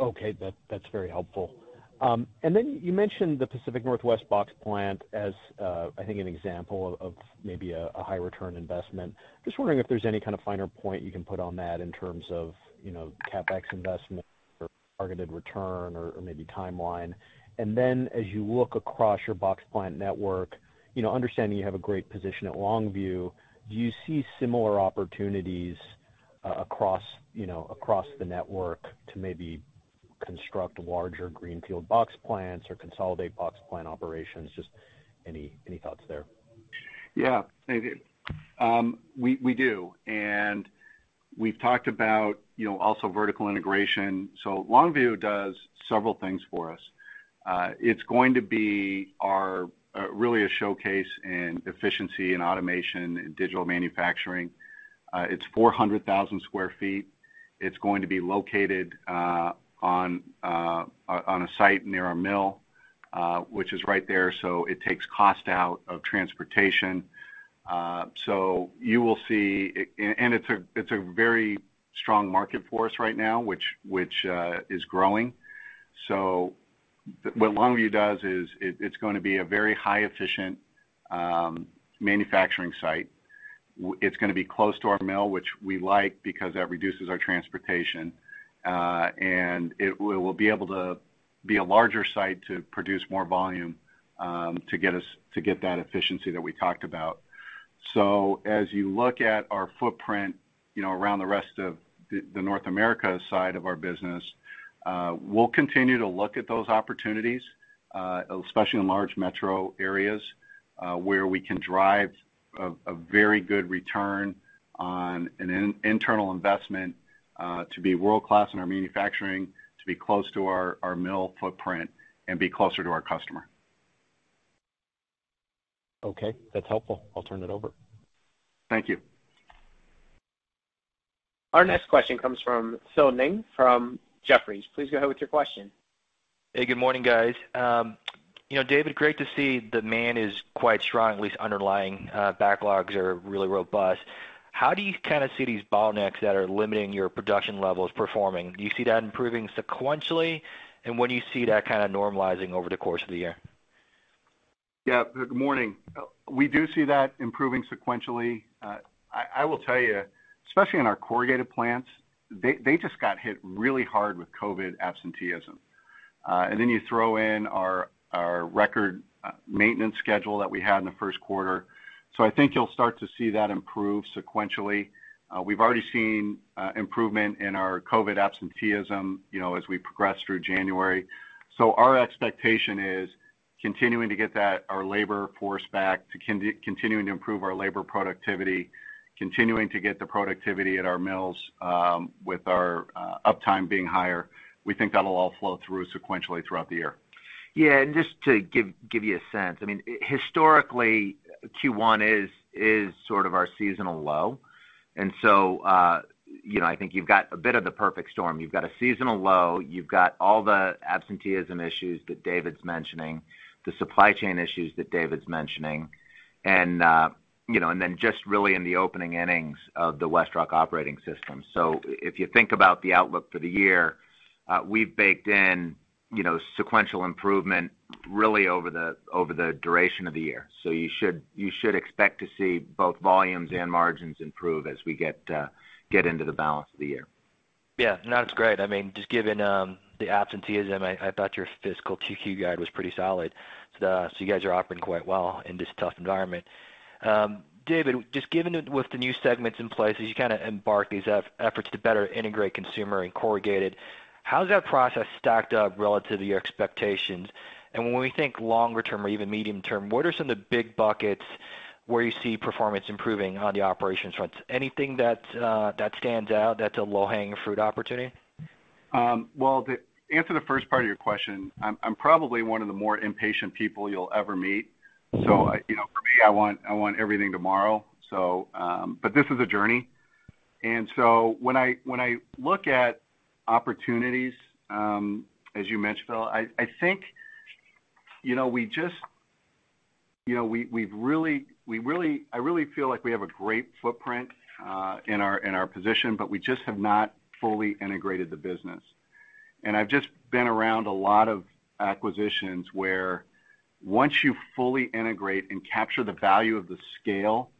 Okay. That's very helpful. And then you mentioned the Pacific Northwest box plant as I think an example of maybe a high return investment. Just wondering if there's any kind of finer point you can put on that in terms of you know CapEx investment or targeted return or maybe timeline. As you look across your box plant network, you know, understanding you have a great position at Longview, do you see similar opportunities across you know across the network to maybe construct larger greenfield box plants or consolidate box plant operations? Just any thoughts there? Yeah. Thank you. We do, and we've talked about, you know, also vertical integration. Longview does several things for us. It's going to be really a showcase in efficiency and automation and digital manufacturing. It's 400,000 sq ft. It's going to be located on a site near our mill, which is right there, so it takes cost out of transportation. You will see. And it's a very strong market for us right now, which is growing. What Longview does is it's gonna be a very high efficient manufacturing site. It's gonna be close to our mill, which we like because that reduces our transportation. We will be able to be a larger site to produce more volume, to get that efficiency that we talked about. As you look at our footprint, you know, around the rest of the North America side of our business, we'll continue to look at those opportunities, especially in large metro areas, where we can drive a very good return on an internal investment, to be world-class in our manufacturing, to be close to our mill footprint, and be closer to our customer. Okay, that's helpful. I'll turn it over. Thank you. Our next question comes from Phil Ng from Jefferies. Please go ahead with your question. Hey, good morning, guys. You know, David, great to see demand is quite strong, at least underlying, backlogs are really robust. How do you kind of see these bottlenecks that are limiting your production levels performing? Do you see that improving sequentially? When do you see that kind of normalizing over the course of the year? Yeah. Good morning. We do see that improving sequentially. I will tell you, especially in our corrugated plants, they just got hit really hard with COVID absenteeism. Then you throw in our record maintenance schedule that we had in the first quarter. I think you'll start to see that improve sequentially. We've already seen improvement in our COVID absenteeism, you know, as we progress through January. Our expectation is continuing to get our labor force back, continuing to improve our labor productivity, continuing to get the productivity at our mills with our uptime being higher. We think that'll all flow through sequentially throughout the year. Yeah. Just to give you a sense, I mean, historically, Q1 is sort of our seasonal low. I think you've got a bit of the perfect storm. You've got a seasonal low, you've got all the absenteeism issues that David's mentioning, the supply chain issues that David's mentioning, and, you know, and then just really in the opening innings of the WestRock Operating System. If you think about the outlook for the year, we've baked in, you know, sequential improvement really over the duration of the year. You should expect to see both volumes and margins improve as we get into the balance of the year. Yeah. No, that's great. I mean, just given the absenteeism, I thought your fiscal 2Q guide was pretty solid. You guys are operating quite well in this tough environment. David, just given with the new segments in place, as you kind of embark these efforts to better integrate consumer and corrugated, how's that process stacked up relative to your expectations? When we think longer term or even medium term, what are some of the big buckets where you see performance improving on the operations front? Anything that stands out that's a low-hanging fruit opportunity? Well, the answer to the first part of your question, I'm probably one of the more impatient people you'll ever meet. I, you know, for me, I want everything tomorrow. But this is a journey. When I look at opportunities, as you mentioned, Phil, I think, you know, I really feel like we have a great footprint in our position, but we just have not fully integrated the business. I've just been around a lot of acquisitions where once you fully integrate and capture the value of the scale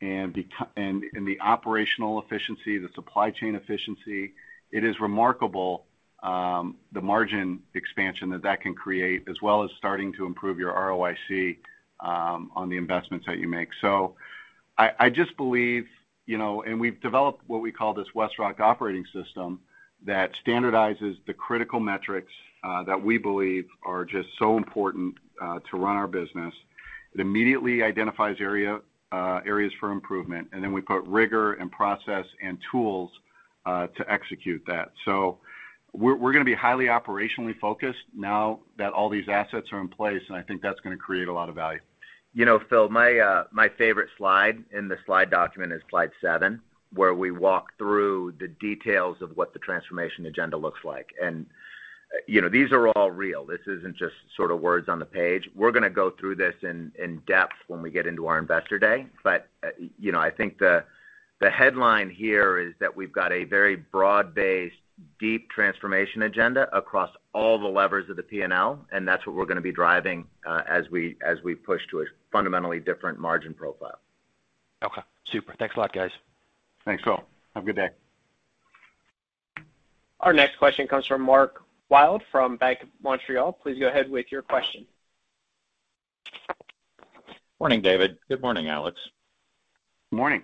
and the operational efficiency, the supply chain efficiency, it is remarkable, the margin expansion that that can create, as well as starting to improve your ROIC on the investments that you make. I just believe, you know, we've developed what we call this WestRock Operating System that standardizes the critical metrics that we believe are just so important to run our business. It immediately identifies areas for improvement, and then we put rigor and process and tools to execute that. We're gonna be highly operationally focused now that all these assets are in place, and I think that's gonna create a lot of value. You know, Phil, my favorite slide in the slide document is slide seven, where we walk through the details of what the transformation agenda looks like. You know, these are all real. This isn't just sort of words on the page. We're gonna go through this in depth when we get into our Investor Day. You know, I think the headline here is that we've got a very broad-based, deep transformation agenda across all the levers of the P&L, and that's what we're gonna be driving as we push to a fundamentally different margin profile. Okay. Super. Thanks a lot, guys. Thanks, Phil. Have a good day. Our next question comes from Mark Wilde from Bank of Montreal. Please go ahead with your question. Morning, David. Good morning, Alex. Morning.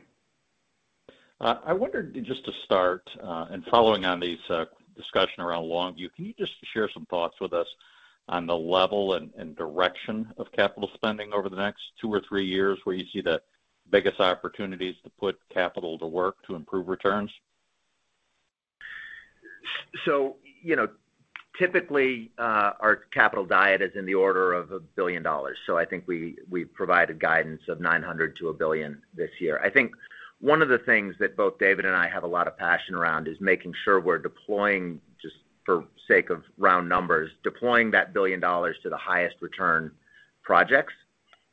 I wondered just to start, and following on these discussions around Longview, can you just share some thoughts with us on the level and direction of capital spending over the next two or three years, where you see the biggest opportunities to put capital to work to improve returns? You know, typically, our capital diet is in the order of $1 billion. I think we've provided guidance of $900 million-$1 billion this year. I think one of the things that both David and I have a lot of passion around is making sure we're deploying, just for sake of round numbers, deploying that $1 billion to the highest return projects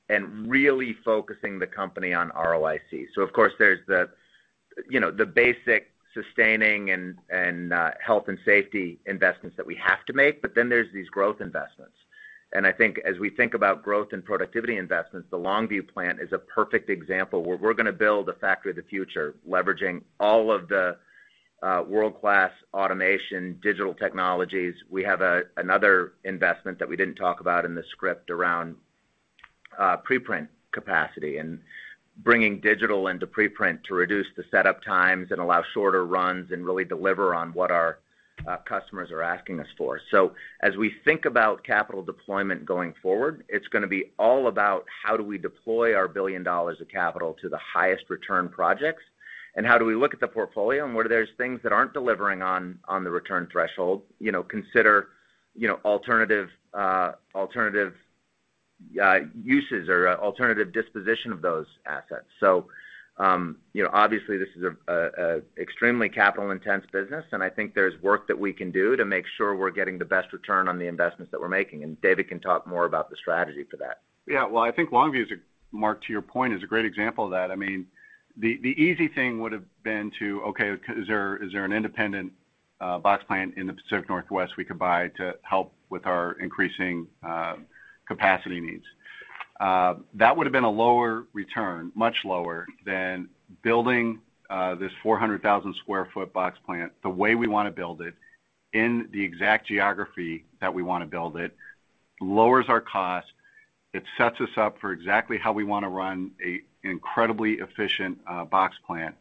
and really focusing the company on ROIC. Of course, there's you know, the basic sustaining and health and safety investments that we have to make, but then there's these growth investments. I think as we think about growth and productivity investments, the Longview plant is a perfect example where we're gonna build a factory of the future, leveraging all of the world-class automation, digital technologies. We have another investment that we didn't talk about in the script around pre-print capacity and bringing digital into pre-print to reduce the setup times and allow shorter runs and really deliver on what our customers are asking us for. As we think about capital deployment going forward, it's gonna be all about how do we deploy our $1 billion of capital to the highest return projects, and how do we look at the portfolio and where there's things that aren't delivering on the return threshold, you know, consider alternative uses or alternative disposition of those assets. You know, obviously this is an extremely capital-intense business, and I think there's work that we can do to make sure we're getting the best return on the investments that we're making. David can talk more about the strategy for that. Yeah. Well, I think Longview, Mark, to your point, is a great example of that. I mean, the easy thing would have been to, okay, is there an independent box plant in the Pacific Northwest we could buy to help with our increasing capacity needs? That would have been a lower return, much lower than building this 400,000 sq ft box plant the way we wanna build it in the exact geography that we wanna build it. Lowers our cost. It sets us up for exactly how we wanna run an incredibly efficient box plant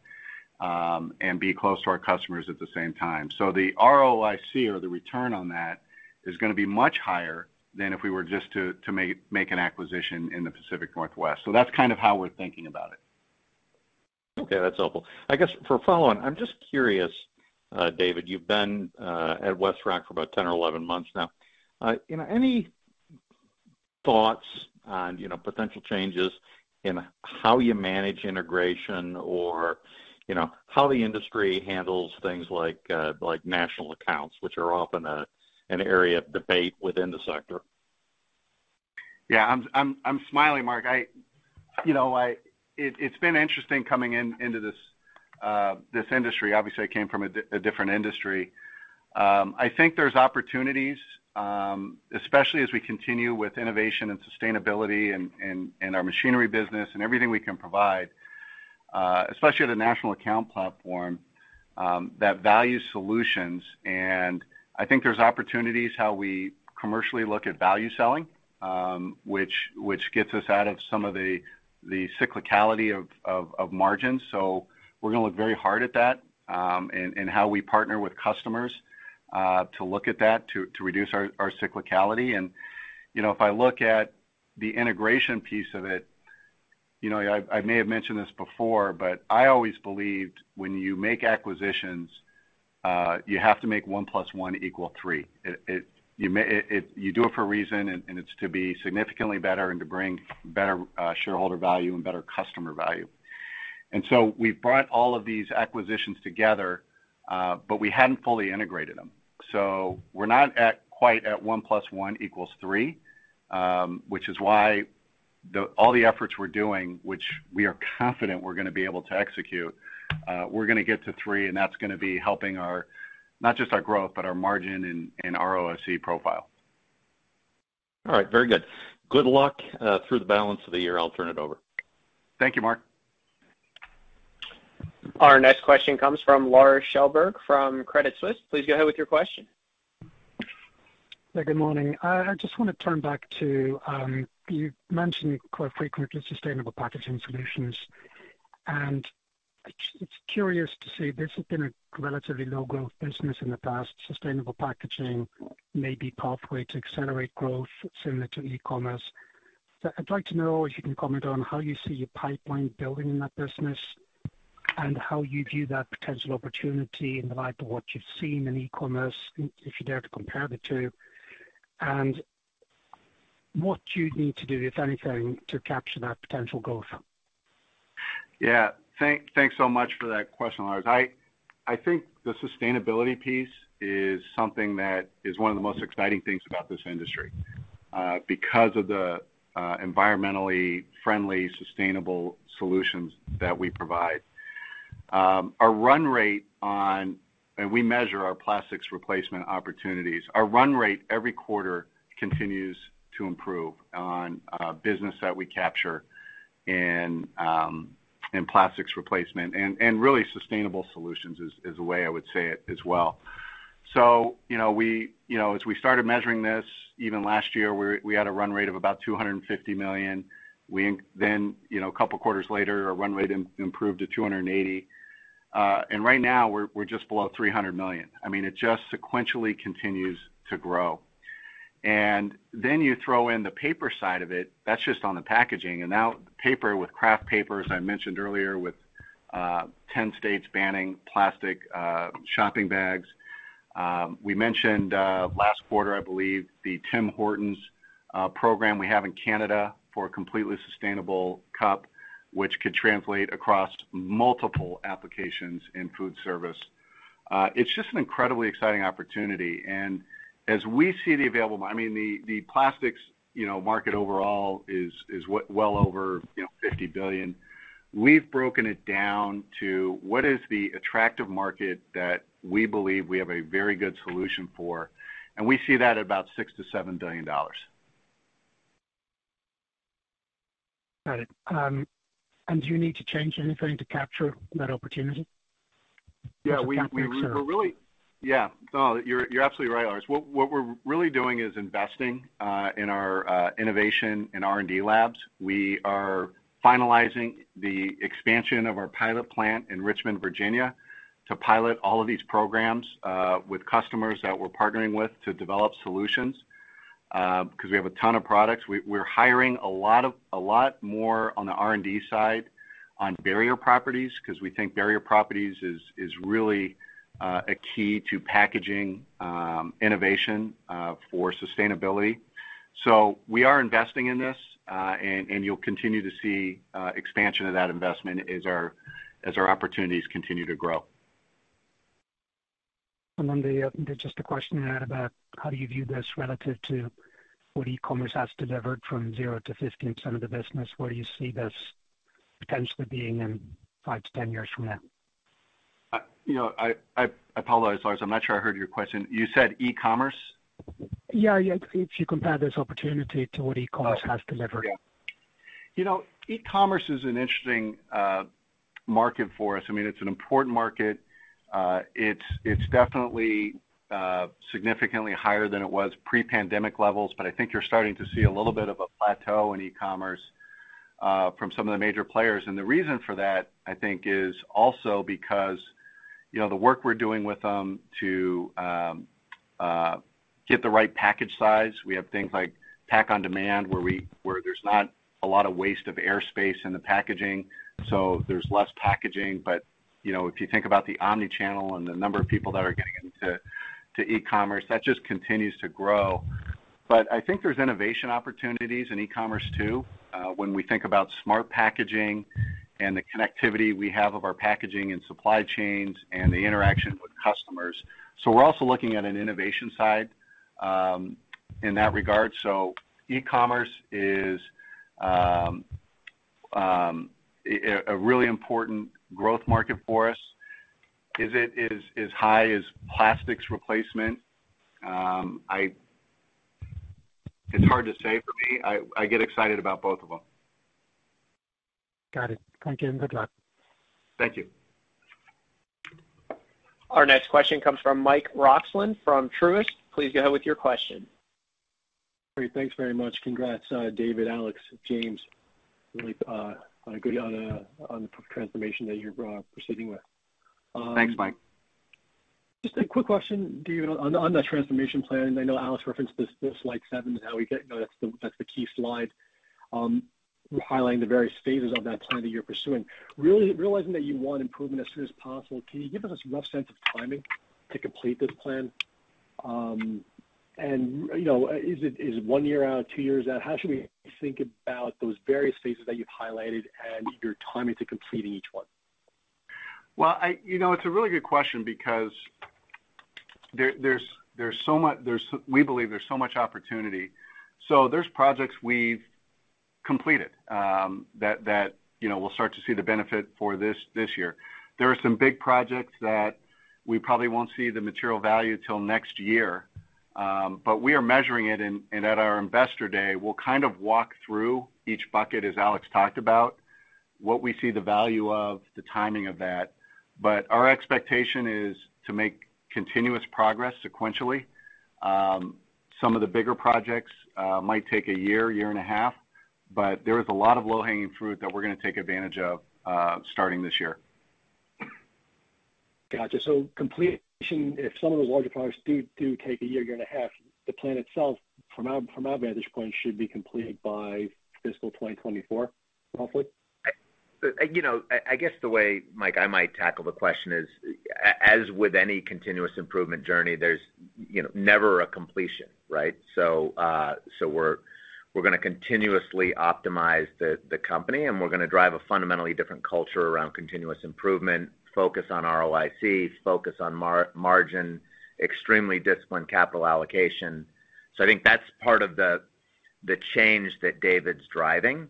and be close to our customers at the same time. The ROIC or the return on that is gonna be much higher than if we were just to make an acquisition in the Pacific Northwest. That's kind of how we're thinking about it. Okay, that's helpful. I guess for follow-on, I'm just curious, David. You've been at WestRock for about 10 or 11 months now. You know, any thoughts on, you know, potential changes in how you manage integration or, you know, how the industry handles things like national accounts, which are often an area of debate within the sector? Yeah, I'm smiling, Mark. You know, it's been interesting coming into this industry. Obviously, I came from a different industry. I think there's opportunities, especially as we continue with innovation and sustainability and our machinery business and everything we can provide, especially at a national account platform that values solutions. I think there's opportunities how we commercially look at value selling, which gets us out of some of the cyclicality of margins. We're gonna look very hard at that, and how we partner with customers to look at that, to reduce our cyclicality. You know, if I look at the integration piece of it, you know, I may have mentioned this before, but I always believed when you make acquisitions, you have to make one plus one equal three. You do it for a reason, and it's to be significantly better and to bring better shareholder value and better customer value. We've brought all of these acquisitions together, but we hadn't fully integrated them. We're not quite at one plus one equals three, which is why all the efforts we're doing, which we are confident we're gonna be able to execute, we're gonna get to three, and that's gonna be helping not just our growth, but our margin and ROIC profile. All right. Very good. Good luck through the balance of the year. I'll turn it over. Thank you, Mark. Our next question comes from Lars Kjellberg from Credit Suisse. Please go ahead with your question. Yeah, good morning. I just wanna turn back to you mentioned quite frequently sustainable packaging solutions. It's curious to see this has been a relatively low-growth business in the past. Sustainable packaging may be pathway to accelerate growth similar to e-commerce. I'd like to know if you can comment on how you see your pipeline building in that business and how you view that potential opportunity in light of what you've seen in e-commerce, if you dare to compare the two, and what you'd need to do, if anything, to capture that potential growth. Yeah. Thanks so much for that question, Lars. I think the sustainability piece is something that is one of the most exciting things about this industry, because of the environmentally friendly, sustainable solutions that we provide. Our run rate on and we measure our plastics replacement opportunities. Our run rate every quarter continues to improve on business that we capture in plastics replacement. And really sustainable solutions is the way I would say it as well. You know, we, you know, as we started measuring this, even last year, we had a run rate of about $250 million. Then, you know, a couple quarters later, our run rate improved to $280 million. And right now we're just below $300 million. I mean, it just sequentially continues to grow. You throw in the paper side of it. That's just on the packaging. Now paper with kraft paper, as I mentioned earlier, with 10 states banning plastic shopping bags. We mentioned last quarter, I believe, the Tim Hortons program we have in Canada for a completely sustainable cup, which could translate across multiple applications in food service. It's just an incredibly exciting opportunity. As we see the plastics, you know, market overall is well over, you know, $50 billion. We've broken it down to what is the attractive market that we believe we have a very good solution for, and we see that at about $6 billion-$7 billion. Got it. Do you need to change anything to capture that opportunity? No, you're absolutely right, Lars. What we're really doing is investing in our innovation and R&D labs. We are finalizing the expansion of our pilot plant in Richmond, Virginia, to pilot all of these programs with customers that we're partnering with to develop solutions, 'cause we have a ton of products. We're hiring a lot more on the R&D side on barrier properties, 'cause we think barrier properties is really a key to packaging innovation for sustainability. We are investing in this, and you'll continue to see expansion of that investment as our opportunities continue to grow. Just a question about how do you view this relative to what e-commerce has delivered from 0% to 15% of the business, where you see this potentially being in five-10 years from now? You know, I apologize, Lars. I'm not sure I heard your question. You said e-commerce? Yeah. If you compare this opportunity to what e-commerce has delivered. Oh, yeah. You know, e-commerce is an interesting market for us. I mean, it's an important market. It's definitely significantly higher than it was pre-pandemic levels, but I think you're starting to see a little bit of a plateau in e-commerce from some of the major players. The reason for that, I think, is also because, you know, the work we're doing with them to get the right package size. We have things like pack on demand, where there's not a lot of waste of air space in the packaging, so there's less packaging. You know, if you think about the omni-channel and the number of people that are getting into e-commerce, that just continues to grow. I think there's innovation opportunities in e-commerce too, when we think about smart packaging and the connectivity we have of our packaging and supply chains and the interaction with customers. We're also looking at an innovation side, in that regard. E-commerce is a really important growth market for us. Is it as high as plastics replacement? It's hard to say for me. I get excited about both of them. Got it. Thank you, and good luck. Thank you. Our next question comes from Mike Roxland from Truist. Please go ahead with your question. Great. Thanks very much. Congrats, David, Alex, James, really, on the transformation that you're proceeding with. Thanks, Mike. Just a quick question, David, on the transformation plan. I know Alex referenced this slide 7. You know, that's the key slide highlighting the various phases of that plan that you're pursuing. Realizing that you want improvement as soon as possible, can you give us a rough sense of timing to complete this plan? And you know, is it one year out, two years out? How should we think about those various phases that you've highlighted and your timing to completing each one? You know, it's a really good question because there's so much opportunity. There are projects we've completed that you know we'll start to see the benefit for this year. There are some big projects that we probably won't see the material value till next year, but we are measuring it. At our Investor Day, we'll kind of walk through each bucket, as Alex talked about, what we see the value of, the timing of that. Our expectation is to make continuous progress sequentially. Some of the bigger projects might take a year and a half, but there is a lot of low-hanging fruit that we're gonna take advantage of starting this year. Gotcha. Completion, if some of those larger projects do take a year and a half, the plan itself, from our vantage point, should be completed by fiscal 2024, roughly? You know, I guess the way, Mike, I might tackle the question is, as with any continuous improvement journey, there's you know, never a completion, right? So we're gonna continuously optimize the company, and we're gonna drive a fundamentally different culture around continuous improvement, focus on ROICs, focus on margin, extremely disciplined capital allocation. I think that's part of the change that David's driving.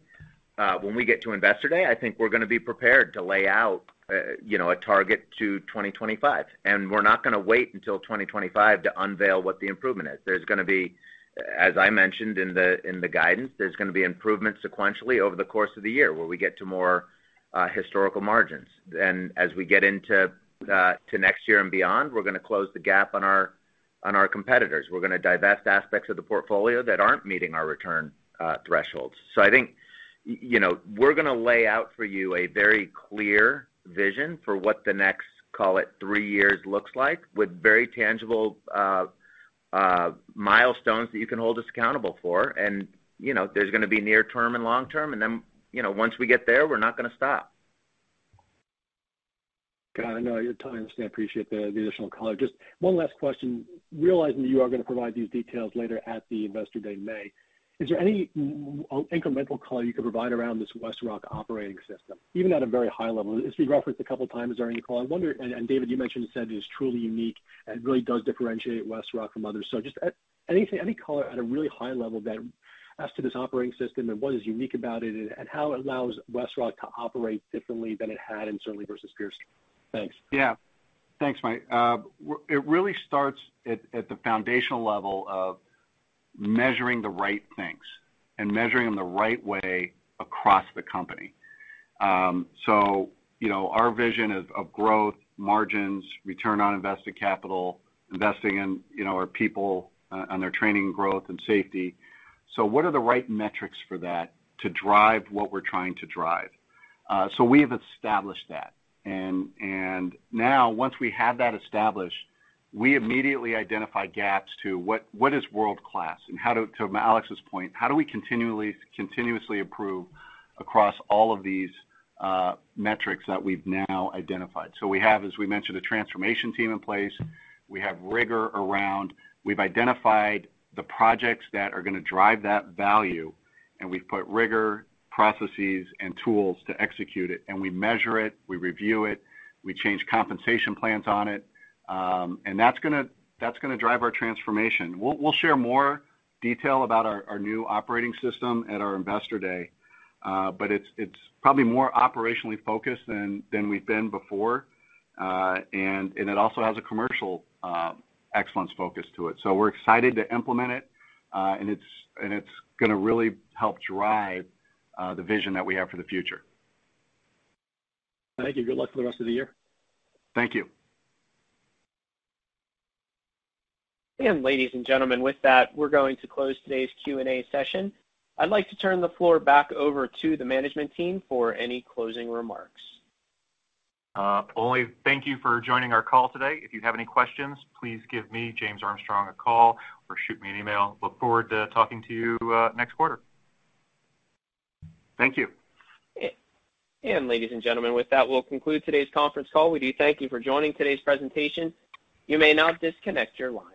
When we get to Investor Day, I think we're gonna be prepared to lay out you know, a target to 2025. We're not gonna wait until 2025 to unveil what the improvement is. There's gonna be, as I mentioned in the guidance, improvements sequentially over the course of the year, where we get to more historical margins. As we get into next year and beyond, we're gonna close the gap on our competitors. We're gonna divest aspects of the portfolio that aren't meeting our return thresholds. I think, you know, we're gonna lay out for you a very clear vision for what the next, call it, three years looks like, with very tangible milestones that you can hold us accountable for. You know, there's gonna be near term and long term, and then, you know, once we get there, we're not gonna stop. Got it. I appreciate your time and the additional color. Just one last question. Realizing that you are gonna provide these details later at the Investor Day in May, is there any incremental color you could provide around this WestRock Operating System, even at a very high level? It's been referenced a couple times during your call. I wonder, and David, you mentioned and said it is truly unique and really does differentiate WestRock from others. Just any color at a really high level as to this operating system and what is unique about it and how it allows WestRock to operate differently than it had and certainly versus peers? Thanks. Yeah. Thanks, Mike. It really starts at the foundational level of measuring the right things and measuring them the right way across the company. You know, our vision is of growth, margins, return on invested capital, investing in, you know, our people on their training, growth, and safety. What are the right metrics for that to drive what we're trying to drive? We have established that. Now once we have that established, we immediately identify gaps to what is world-class and, to Alex's point, how do we continuously improve across all of these metrics that we've now identified? We have, as we mentioned, a transformation team in place. We have rigor around. We've identified the projects that are gonna drive that value, and we've put rigor, processes, and tools to execute it, and we measure it, we review it, we change compensation plans on it. That's gonna drive our transformation. We'll share more detail about our new Operating System at our Investor Day. It's probably more operationally focused than we've been before. It also has a commercial excellence focus to it. We're excited to implement it, and it's gonna really help drive the vision that we have for the future. Thank you. Good luck for the rest of the year. Thank you. Ladies and gentlemen, with that, we're going to close today's Q&A session. I'd like to turn the floor back over to the management team for any closing remarks. Well, thank you for joining our call today. If you have any questions, please give me, James Armstrong, a call or shoot me an email. I look forward to talking to you next quarter. Thank you. Ladies and gentlemen, with that, we'll conclude today's conference call. We do thank you for joining today's presentation. You may now disconnect your lines.